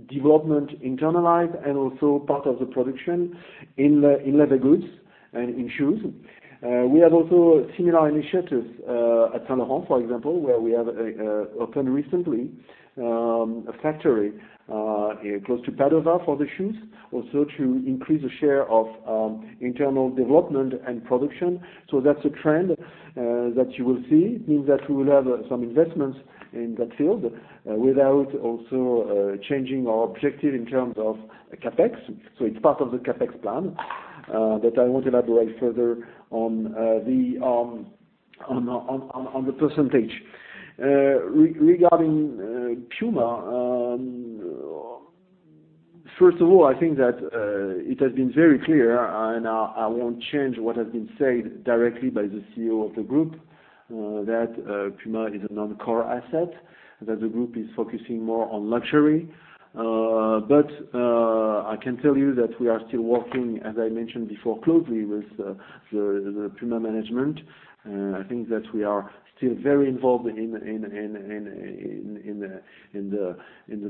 development internalized and also part of the production in leather goods and in shoes. We have also similar initiatives at Saint Laurent, for example, where we have opened recently, a factory, close to Padova for the shoes, also to increase the share of internal development and production. That's a trend that you will see. It means that we will have some investments in that field without also changing our objective in terms of CapEx. It's part of the CapEx plan, but I won't elaborate further on the percentage. Regarding Puma, first of all, I think that it has been very clear, and I won't change what has been said directly by the CEO of the group. That Puma is a non-core asset, that the group is focusing more on luxury. I can tell you that we are still working, as I mentioned before, closely with the Puma management. I think that we are still very involved in the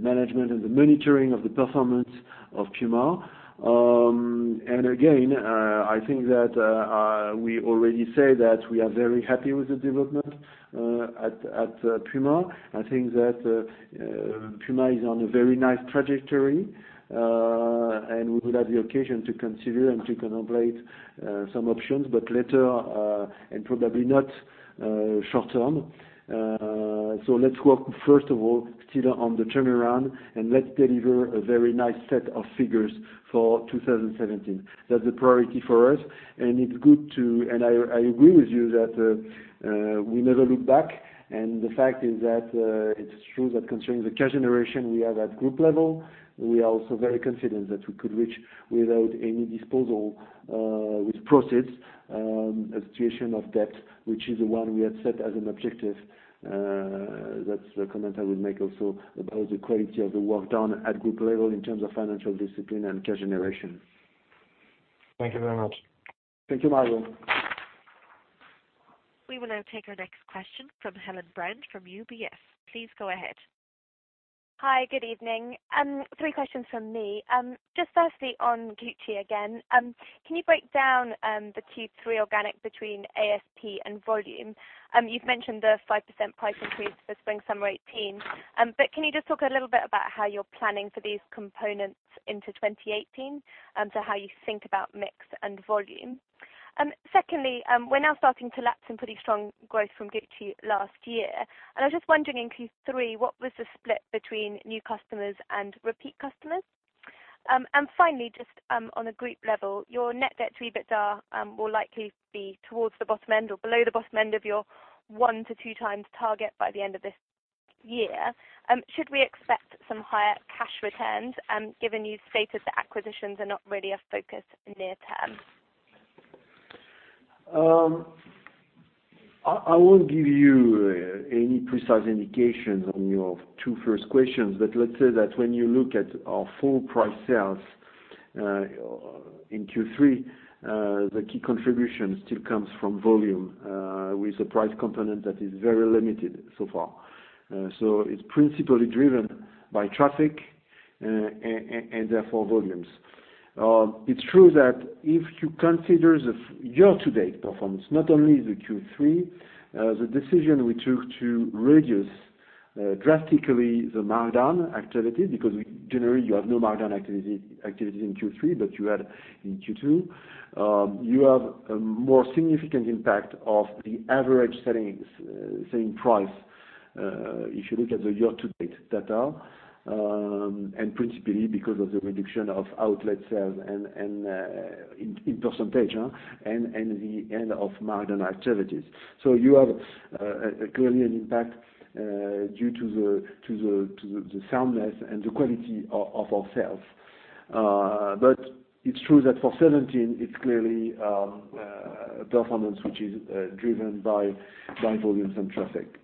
management and the monitoring of the performance of Puma. Again, I think that we already say that we are very happy with the development at Puma. I think that Puma is on a very nice trajectory, and we will have the occasion to consider and to contemplate some options, but later, and probably not short-term. Let's work, first of all, still on the turnaround, and let's deliver a very nice set of figures for 2017. That's the priority for us. I agree with you that we never look back, and the fact is that, it's true that concerning the cash generation we have at group level, we are also very confident that we could reach without any disposal with proceeds, a situation of debt, which is the one we had set as an objective. That's the comment I would make also about the quality of the work done at group level in terms of financial discipline and cash generation. Thank you very much. Thank you, Mario. We will now take our next question from Helen Brand from UBS. Please go ahead. Hi, good evening. Three questions from me. Just firstly, on Gucci again. Can you break down the Q3 organic between ASP and volume? You've mentioned the 5% price increase for spring/summer 2018, but can you just talk a little bit about how you're planning for these components into 2018? How you think about mix and volume. Secondly, we're now starting to lap some pretty strong growth from Gucci last year. I was just wondering in Q3, what was the split between new customers and repeat customers? Finally, just on a group level, your net debt to EBITDA will likely be towards the bottom end or below the bottom end of your 1-2 times target by the end of this year. Should we expect some higher cash returns, given you've stated that acquisitions are not really a focus near term? I won't give you any precise indications on your two first questions, but let's say that when you look at our full price sales in Q3, the key contribution still comes from volume, with a price component that is very limited so far. It's principally driven by traffic, and therefore volumes. It's true that if you consider the year-to-date performance, not only the Q3, the decision we took to reduce drastically the markdown activity, because generally you have no markdown activity in Q3, but you had in Q2. You have a more significant impact of the average selling price, if you look at the year-to-date data, and principally because of the reduction of outlet sales in percentage and the end of margin activities. You have a clearly an impact due to the soundness and the quality of our sales. It's true that for 2017, it's clearly a performance which is driven by volumes and traffic.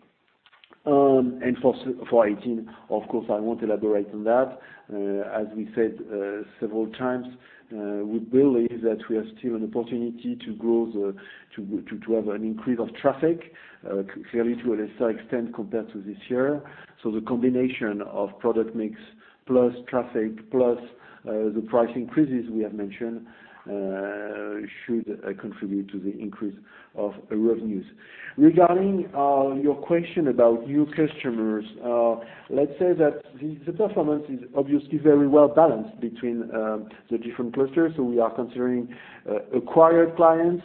For 2018, of course, I won't elaborate on that. As we said several times, we believe that we have still an opportunity to have an increase of traffic, clearly to a lesser extent compared to this year. The combination of product mix plus traffic plus the price increases we have mentioned should contribute to the increase of revenues. Regarding your question about new customers, let's say that the performance is obviously very well-balanced between the different clusters. We are considering acquired clients,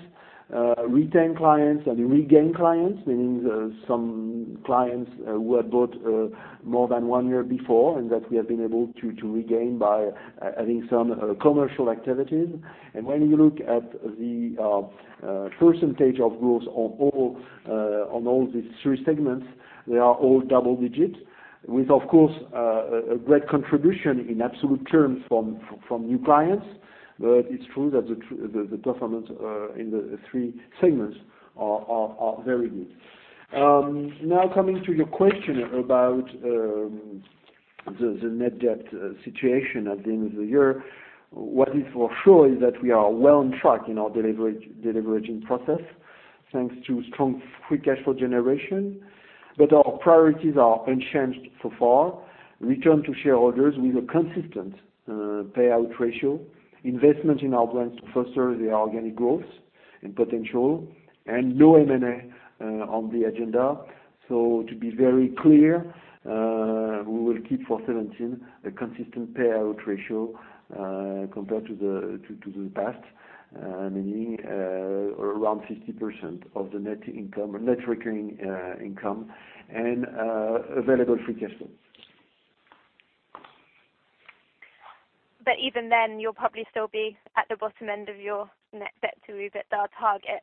retained clients, and regained clients, meaning some clients who had bought more than one year before and that we have been able to regain by having some commercial activities. When you look at the percentage of growth on all these three segments, they are all double digits with, of course, a great contribution in absolute terms from new clients. It's true that the performance in the three segments are very good. Now coming to your question about the net debt situation at the end of the year. What is for sure is that we are well on track in our deleveraging process, thanks to strong free cash flow generation. Our priorities are unchanged so far. Return to shareholders with a consistent payout ratio, investment in our brands to foster the organic growth and potential, and no M&A on the agenda. To be very clear, we will keep for 2017 a consistent payout ratio compared to the past, meaning around 50% of the net recurring income and available free cash flow. Even then, you'll probably still be at the bottom end of your net debt to EBITDA target.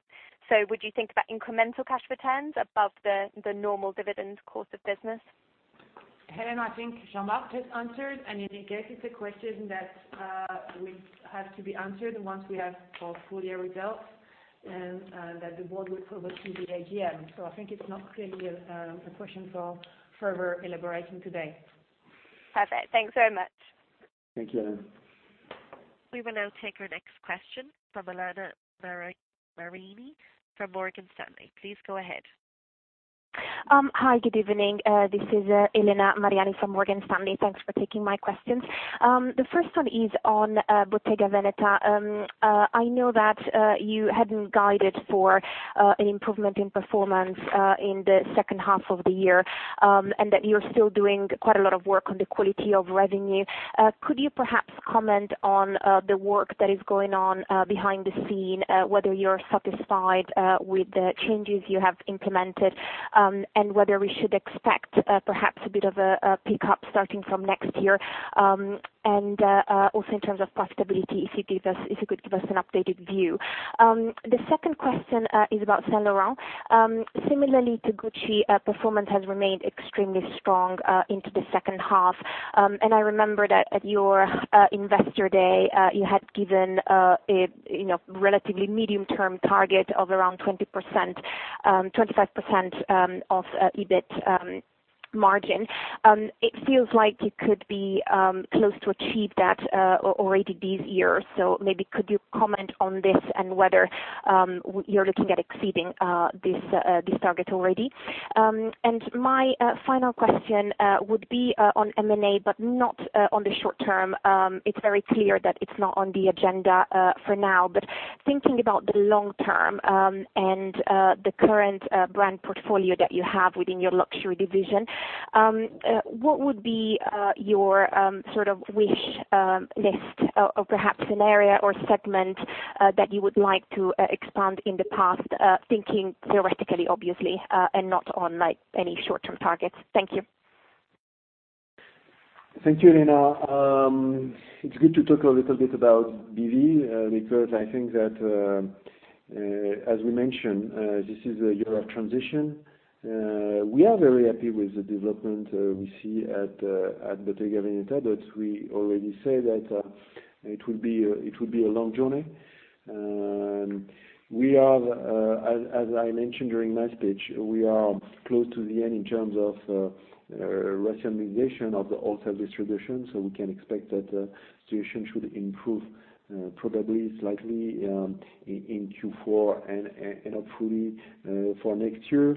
Would you think about incremental cash returns above the normal dividend course of business? Helen, I think Jean-Marc has answered, and in any case, it's a question that will have to be answered once we have our full-year results, and that the board will provide to the AGM. I think it's not really a question for further elaboration today. Perfect. Thanks very much. Thank you. We will now take our next question from Elena Mariani from Morgan Stanley. Please go ahead. Hi. Good evening. This is Elena Mariani from Morgan Stanley. Thanks for taking my questions. The first one is on Bottega Veneta. I know that you hadn't guided for an improvement in performance in the second half of the year, and that you're still doing quite a lot of work on the quality of revenue. Could you perhaps comment on the work that is going on behind the scene, whether you're satisfied with the changes you have implemented, and whether we should expect perhaps a bit of a pickup starting from next year? Also in terms of profitability, if you could give us an updated view. The second question is about Saint Laurent. Similarly to Gucci, performance has remained extremely strong into the second half. I remember that at your Investor Day, you had given a relatively medium-term target of around 25% of EBIT margin. It feels like it could be close to achieve that already this year. Maybe could you comment on this and whether you're looking at exceeding this target already? My final question would be on M&A, but not on the short term. It's very clear that it's not on the agenda for now, but thinking about the long term and the current brand portfolio that you have within your luxury division, what would be your sort of wish list or perhaps an area or segment that you would like to expand in the past? Thinking theoretically, obviously, and not on any short-term targets. Thank you. Thank you, Elena. It's good to talk a little bit about BV, because I think that as we mentioned, this is a year of transition. We are very happy with the development we see at Bottega Veneta, but we already said that it would be a long journey. As I mentioned during my speech, we are close to the end in terms of rationalization of the wholesale distribution, we can expect that the situation should improve probably slightly in Q4 and hopefully for next year.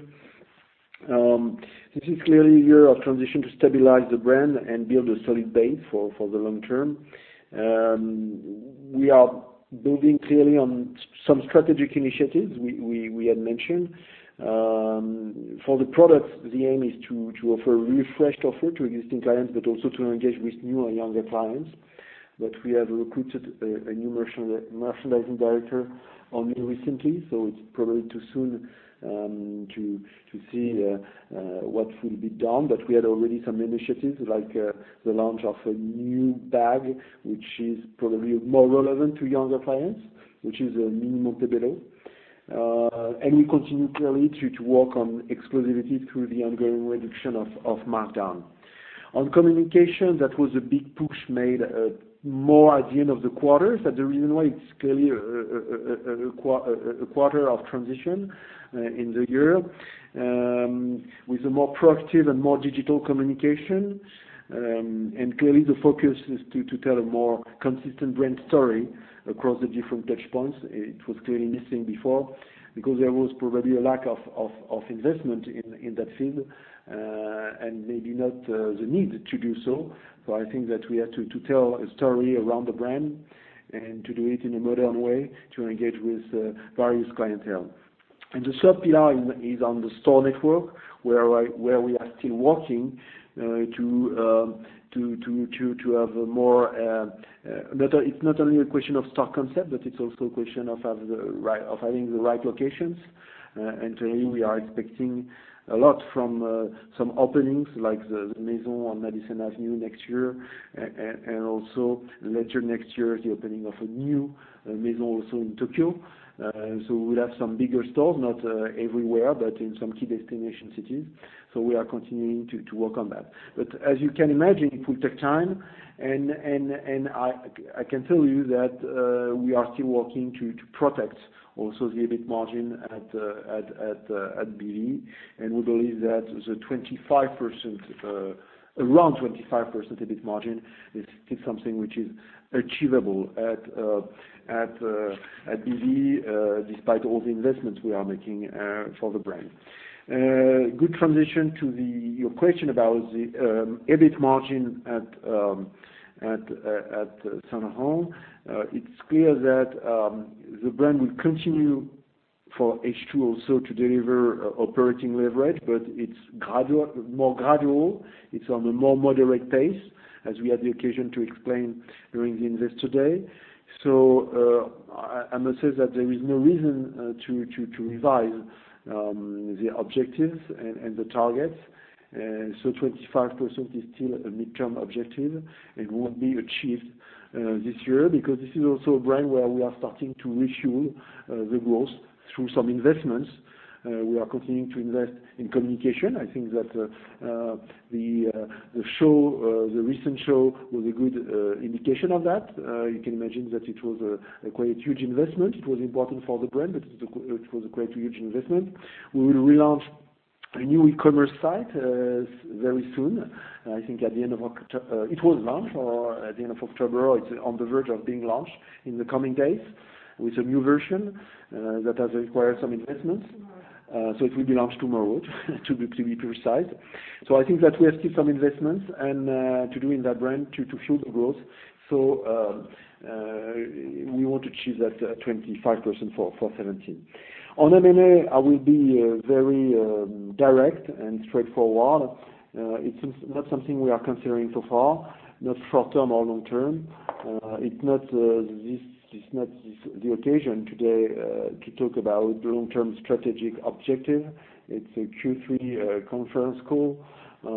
This is clearly a year of transition to stabilize the brand and build a solid base for the long term. We are building clearly on some strategic initiatives we had mentioned. For the products, the aim is to offer a refreshed offer to existing clients, but also to engage with new and younger clients. We have recruited a new merchandising director only recently, it's probably too soon to see what will be done. We had already some initiatives like the launch of a new bag, which is probably more relevant to younger clients, which is the Mini Montebello. We continue clearly to work on exclusivity through the ongoing reduction of markdown. On communication, that was a big push made more at the end of the quarter. That's the reason why it's clearly a quarter of transition in the year, with a more proactive and more digital communication. Clearly the focus is to tell a more consistent brand story across the different touch points. It was clearly missing before because there was probably a lack of investment in that field, and maybe not the need to do so. I think that we have to tell a story around the brand and to do it in a modern way to engage with various clientele. The third pillar is on the store network, where we are still working to have a more. It is not only a question of store concept, but it is also a question of having the right locations. Clearly we are expecting a lot from some openings like the Maison on Madison Avenue next year, and also later next year, the opening of a new Maison also in Tokyo. We will have some bigger stores, not everywhere, but in some key destination cities. We are continuing to work on that. As you can imagine, it will take time, and I can tell you that we are still working to protect also the EBIT margin at BV. We believe that around 25% EBIT margin is something which is achievable at BV, despite all the investments we are making for the brand. Good transition to your question about the EBIT margin at Saint Laurent. It is clear that the brand will continue for H2 also to deliver operating leverage, but it is more gradual. It is on a more moderate pace, as we had the occasion to explain during the Investor Day. I must say that there is no reason to revise the objectives and the targets. 25% is still a mid-term objective. It won't be achieved this year because this is also a brand where we are starting to resume the growth through some investments. We are continuing to invest in communication. I think that the recent show was a good indication of that. You can imagine that it was a quite huge investment. It was important for the brand, but it was a quite huge investment. We will relaunch a new e-commerce site very soon. I think it was launched at the end of October, or it is on the verge of being launched in the coming days, with a new version that has required some investments. It will be launched tomorrow, to be precise. I think that we have still some investments to do in that brand to fuel the growth. We want to achieve that 25% for 2017. On M&A, I will be very direct and straightforward. It's not something we are considering so far, not short-term or long-term. It's not the occasion today to talk about long-term strategic objective. It's a Q3 conference call, I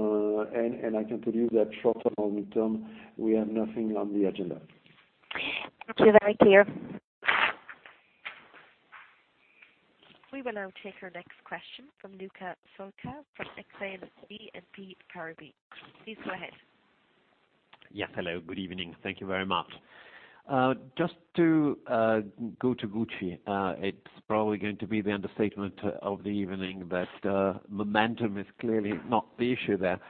can tell you that short-term or long-term, we have nothing on the agenda. Thank you. Very clear. We will now take our next question from Luca Solca from Exane BNP Paribas. Please go ahead. Yes. Hello. Good evening. Thank you very much. Just to go to Gucci, it's probably going to be the understatement of the evening that momentum is clearly not the issue there.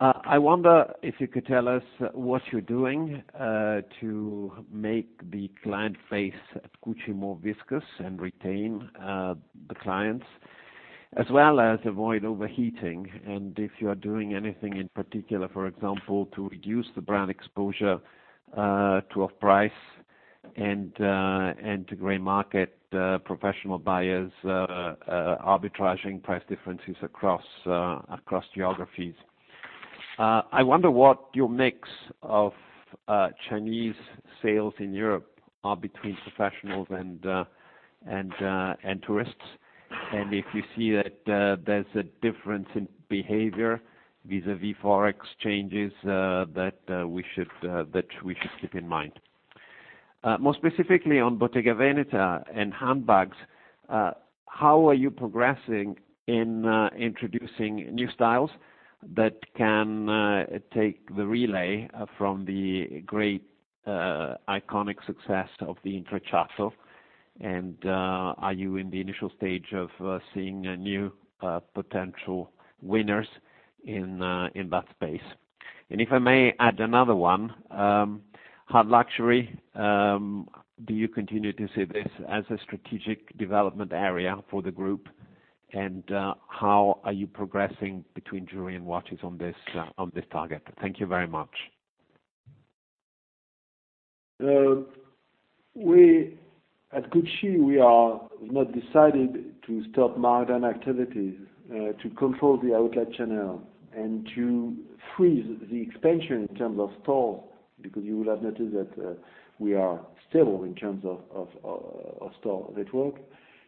I wonder if you could tell us what you're doing to make the client base at Gucci more viscous and retain the clients, as well as avoid overheating, and if you are doing anything in particular, for example, to reduce the brand exposure to off-price and to gray market professional buyers arbitraging price differences across geographies. I wonder what your mix of Chinese sales in Europe are between professionals and tourists, and if you see that there's a difference in behavior vis-a-vis forex changes that we should keep in mind. More specifically on Bottega Veneta and handbags, how are you progressing in introducing new styles that can take the relay from the great iconic success of the Intrecciato, are you in the initial stage of seeing new potential winners in that space? If I may add another one, hard luxury, do you continue to see this as a strategic development area for the group, and how are you progressing between jewelry and watches on this target? Thank you very much. At Gucci, we are not decided to stop modern activities to control the outlet channel and to freeze the expansion in terms of stores, you will have noticed that we are stable in terms of store network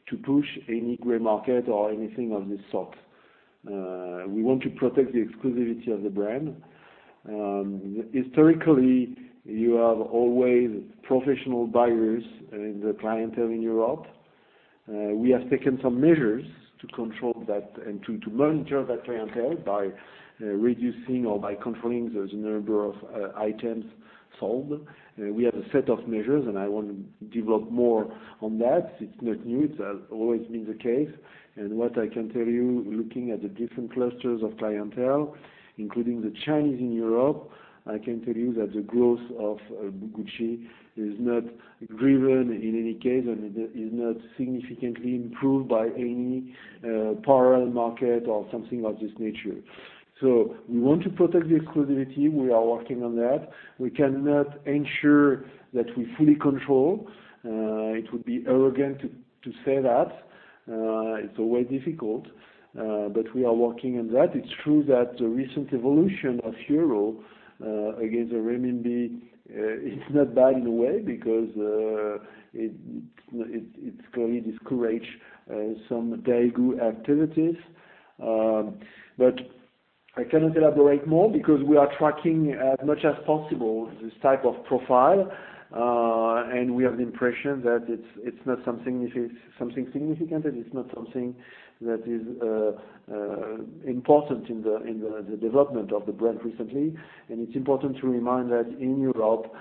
to push any gray market or anything of this sort. We want to protect the exclusivity of the brand. Historically, you have always professional buyers in the clientele in Europe. We have taken some measures to control that and to monitor that clientele by reducing or by controlling the number of items sold. We have a set of measures, I won't develop more on that. It's not new. It has always been the case. What I can tell you, looking at the different clusters of clientele, including the Chinese in Europe, I can tell you that the growth of Gucci is not driven in any case, and it is not significantly improved by any parallel market or something of this nature. We want to protect the exclusivity. We are working on that. We cannot ensure that we fully control. It would be arrogant to say that. It's always difficult, but we are working on that. It's true that the recent evolution of EUR against the renminbi is not bad in a way, because it's going to discourage some Daigou activities. I cannot elaborate more because we are tracking as much as possible this type of profile, and we have the impression that it's not something significant, and it's not something that is important in the development of the brand recently. It's important to remind that in Europe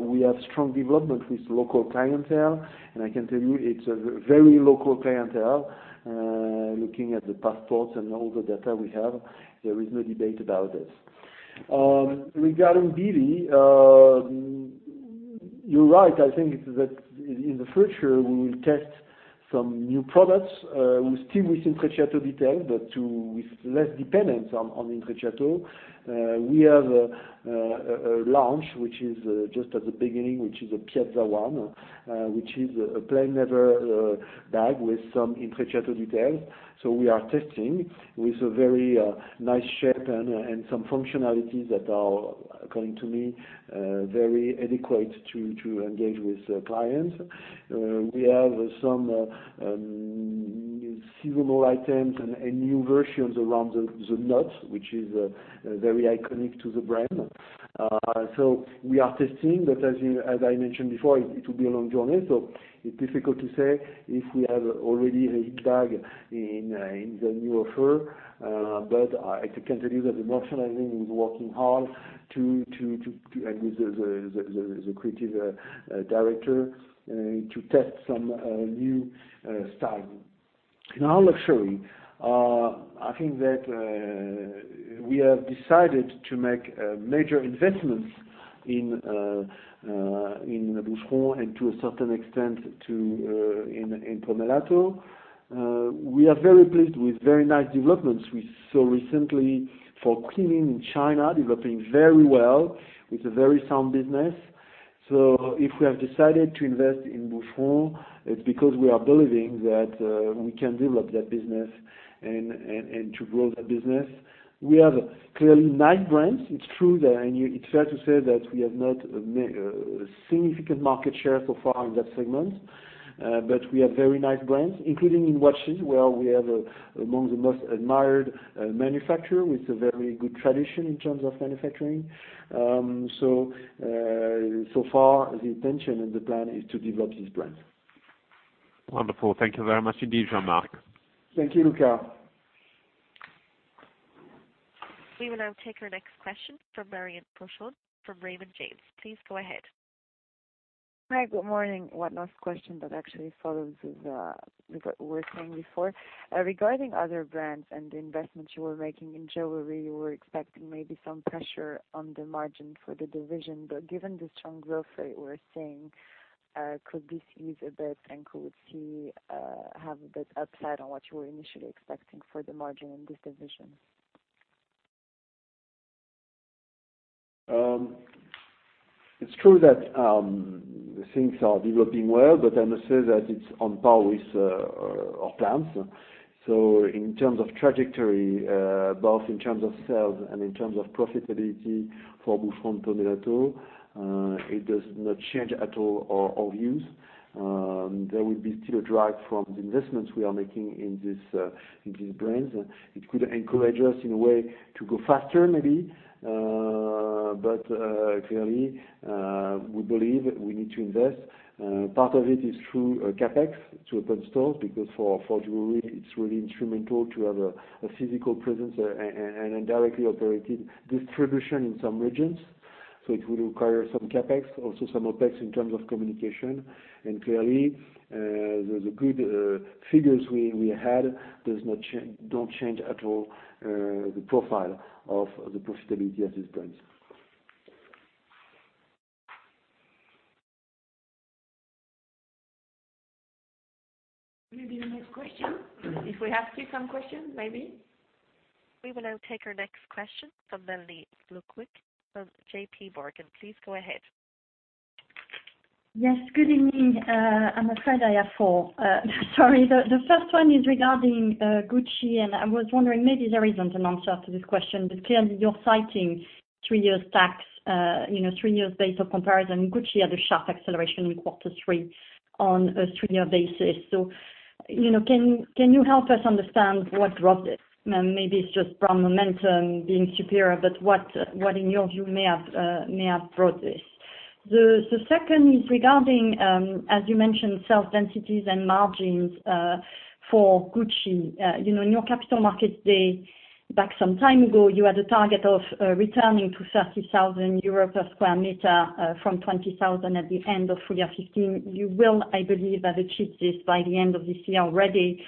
we have strong development with local clientele, and I can tell you it's a very local clientele. Looking at the passports and all the data we have, there is no debate about this. Regarding BV, you're right. I think that in the future we will test some new products. We still with Intrecciato detail, but with less dependence on Intrecciato. We have a launch which is just at the beginning, which is a Piazza one, which is a plain leather bag with some Intrecciato details. We are testing with a very nice shape and some functionalities that are, according to me, very adequate to engage with clients. We have some seasonal items and new versions around the knot, which is very iconic to the brand. We are testing, but as I mentioned before, it will be a long journey, so it's difficult to say if we have already a hit bag in the new offer. I can tell you that the merchandising is working hard and with the creative director to test some new styles. In hard luxury, I think that we have decided to make major investments in Boucheron and to a certain extent, in Pomellato. We are very pleased with very nice developments we saw recently for Qeelin in China, developing very well with a very sound business. If we have decided to invest in Boucheron, it's because we are believing that we can develop that business and to grow that business. We have clearly nice brands. It's true that, and it's fair to say that we have not a significant market share so far in that segment. We have very nice brands, including in watches, where we have among the most admired manufacturer with a very good tradition in terms of manufacturing. So far the intention and the plan is to develop this brand. Wonderful. Thank you very much indeed, Jean-Marc. Thank you, Luca. We will now take our next question from Hermine de Bentzmann from Raymond James. Please go ahead. Hi, good morning. One last question that actually follows with what we were saying before. Regarding other brands and the investments you were making in jewelry, you were expecting maybe some pressure on the margin for the division. Given the strong growth rate we're seeing, could this ease a bit and could we have a bit upside on what you were initially expecting for the margin in this division? It's true that things are developing well, but I must say that it's on par with our plans. In terms of trajectory, both in terms of sales and in terms of profitability for Boucheron, Pomellato, it does not change at all our views. There will be still a drag from the investments we are making in these brands. It could encourage us in a way to go faster maybe. Clearly, we believe we need to invest. Part of it is through CapEx to open stores, because for jewelry, it's really instrumental to have a physical presence and a directly operated distribution in some regions. It will require some CapEx, also some OpEx in terms of communication. Clearly, the good figures we had don't change at all the profile of the profitability at this point. Maybe the next question. We will now take our next question from Mélanie Flouquet of J.P. Morgan. Please go ahead. Yes, good evening. I'm afraid I have four. Sorry. The first one is regarding Gucci, I was wondering, maybe there isn't an answer to this question, clearly you're citing three years tax, three years base of comparison. Gucci had a sharp acceleration in quarter three on a three-year basis. Can you help us understand what drove this? Maybe it's just brand momentum being superior, what in your view may have brought this? The second is regarding, as you mentioned, sales densities and margins for Gucci. In your capital markets day, back some time ago, you had a target of returning to 30,000 euro per square meter, from 20,000 at the end of full year 2015. You will, I believe, have achieved this by the end of this year already.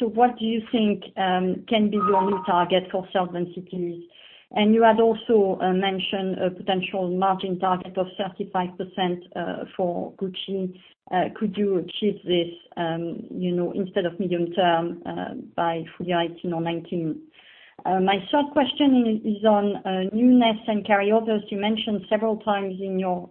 What do you think can be your new target for sales densities? You had also mentioned a potential margin target of 35% for Gucci. Could you achieve this instead of medium term by full year 2018 or 2019? My third question is on newness and carryovers. You mentioned several times in your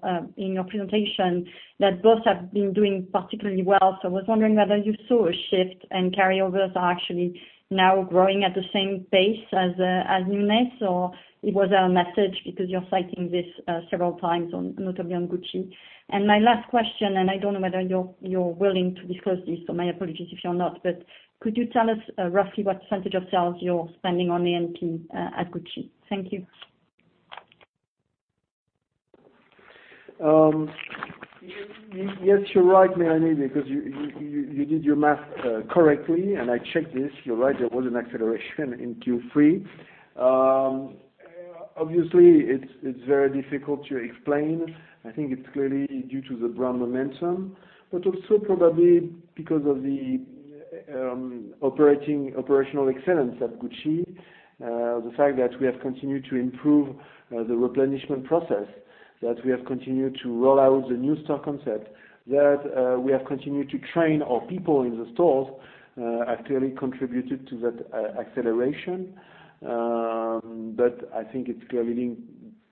presentation that both have been doing particularly well. I was wondering whether you saw a shift and carryovers are actually now growing at the same pace as newness, or it was a message because you're citing this several times, notably on Gucci. My last question, and I don't know whether you're willing to disclose this, so my apologies if you're not, but could you tell us roughly what percentage of sales you're spending on A&P at Gucci? Thank you. Yes, you're right, Mélanie, because you did your math correctly, and I checked this. You're right, there was an acceleration in Q3. Obviously, it's very difficult to explain. I think it's clearly due to the brand momentum, but also probably because of the operational excellence at Gucci. The fact that we have continued to improve the replenishment process, that we have continued to roll out the new store concept, that we have continued to train our people in the stores, have clearly contributed to that acceleration. I think it's clearly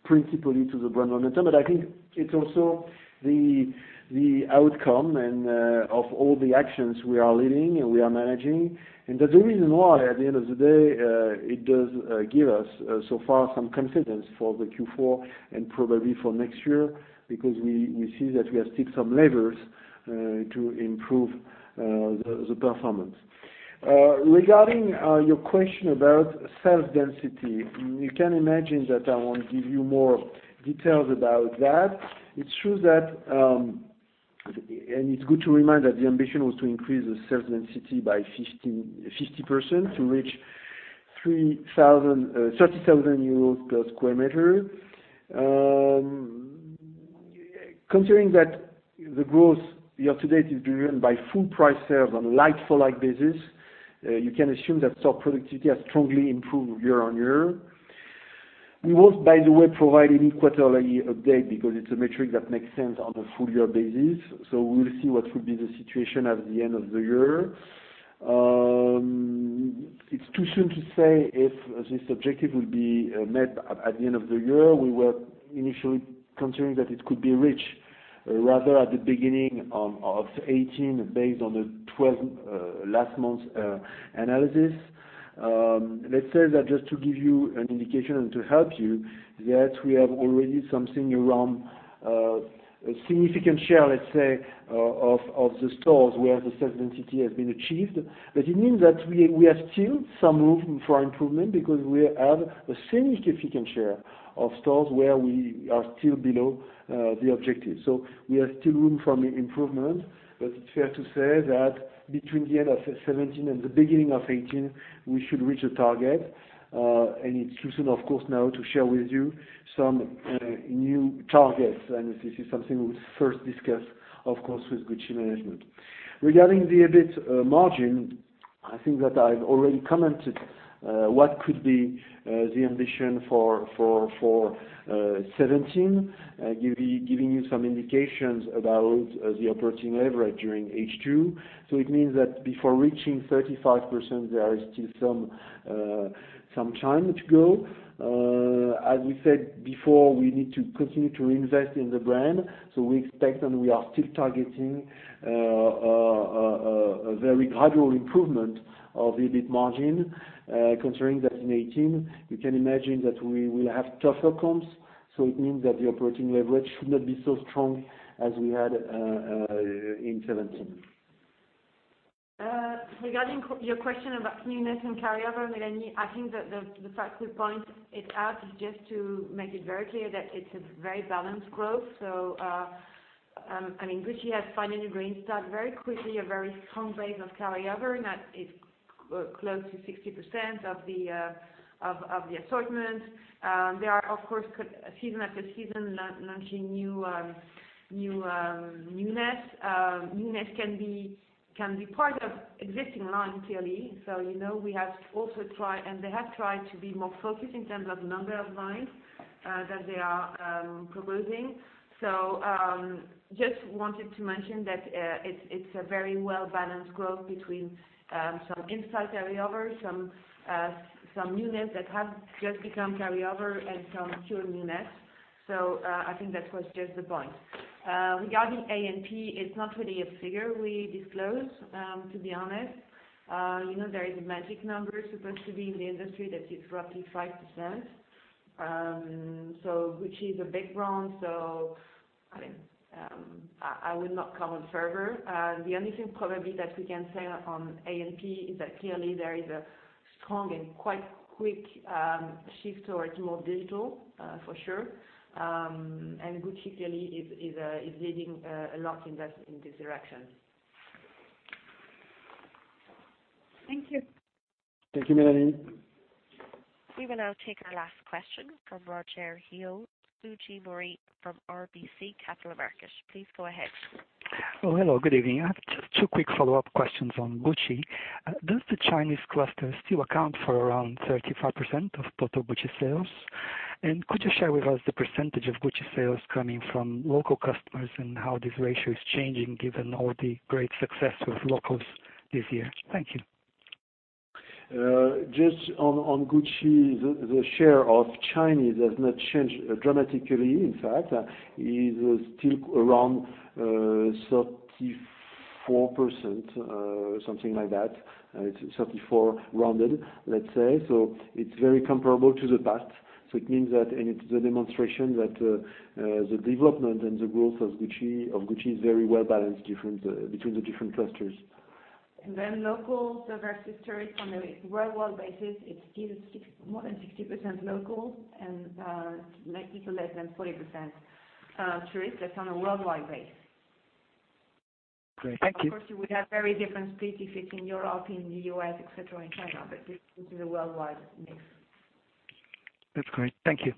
principally to the brand momentum. I think it's also the outcome of all the actions we are leading and we are managing. That the reason why, at the end of the day, it does give us so far some confidence for the Q4 and probably for next year, because we see that we have still some levers to improve the performance. Regarding your question about sales density, you can imagine that I won't give you more details about that. It's true that, and it's good to remind that the ambition was to increase the sales density by 50%, to reach EUR 30,000 per sq m. Considering that the growth year-to-date is driven by full price sales on a like-for-like basis, you can assume that stock productivity has strongly improved year-on-year. We won't, by the way, provide any quarterly update because it's a metric that makes sense on a full-year basis. We will see what will be the situation at the end of the year. It's too soon to say if this objective will be met at the end of the year. We were initially considering that it could be reached rather at the beginning of 2018, based on the last month's analysis. Let's say that just to give you an indication and to help you, that we have already something around a significant share, let's say, of the stores where the sales density has been achieved. It means that we have still some room for improvement because we have a significant share of stores where we are still below the objective. We have still room for improvement, but it's fair to say that between the end of 2017 and the beginning of 2018, we should reach the target. It's too soon, of course, now to share with you some new targets. This is something we'll first discuss, of course, with Gucci management. Regarding the EBIT margin, I think that I've already commented what could be the ambition for 2017, giving you some indications about the operating leverage during H2. It means that before reaching 35%, there is still some time to go. As we said before, we need to continue to invest in the brand. We expect and we are still targeting a very gradual improvement of the EBIT margin. Considering that in 2018, you can imagine that we will have tougher comps. It means that the operating leverage should not be so strong as we had in 2017. Regarding your question about newness and carryover, Mélanie, I think that the fact we point it out is just to make it very clear that it's a very balanced growth. Gucci has finally restarted very quickly a very strong base of carryover, and that is close to 60% of the assortment. They are, of course, season after season, launching newness. Newness can be part of existing line, clearly. We have also tried, and they have tried to be more focused in terms of number of lines that they are proposing. Just wanted to mention that it's a very well-balanced growth between some inside carryover, some newness that has just become carryover, and some pure newness. I think that was just the point. Regarding A&P, it's not really a figure we disclose, to be honest. There is a magic number supposed to be in the industry that is roughly 5%. Gucci is a big brand. I would not comment further. The only thing probably that we can say on A&P is that clearly there is a strong and quite quick shift towards more digital, for sure. Gucci clearly is leading a lot in this direction. Thank you. Thank you, Mélanie. We will now take our last question from Rogerio Fujimori from RBC Capital Markets. Please go ahead. Hello, good evening. I have just two quick follow-up questions on Gucci. Could you share with us the percentage of Gucci sales coming from local customers and how this ratio is changing given all the great success with locals this year? Thank you. Just on Gucci, the share of Chinese has not changed dramatically. In fact, it is still around 34%, something like that. It's 34 rounded, let's say. It's very comparable to the past. It means that, and it's a demonstration that the development and the growth of Gucci is very well-balanced between the different clusters. Local versus tourist on a worldwide basis, it's still more than 60% local and a little less than 40% tourist. That's on a worldwide base. Great. Thank you. Of course, you would have very different specifics in Europe, in the U.S., et cetera, in China, this is a worldwide mix. That's great. Thank you.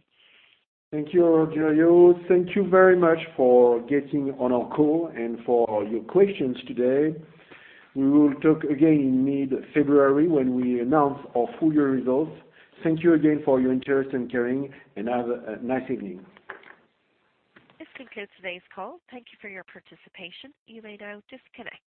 Thank you, Rogerio Fujimori. Thank you very much for getting on our call and for your questions today. We will talk again in mid-February when we announce our full year results. Thank you again for your interest in Kering, and have a nice evening. This concludes today's call. Thank you for your participation. You may now disconnect.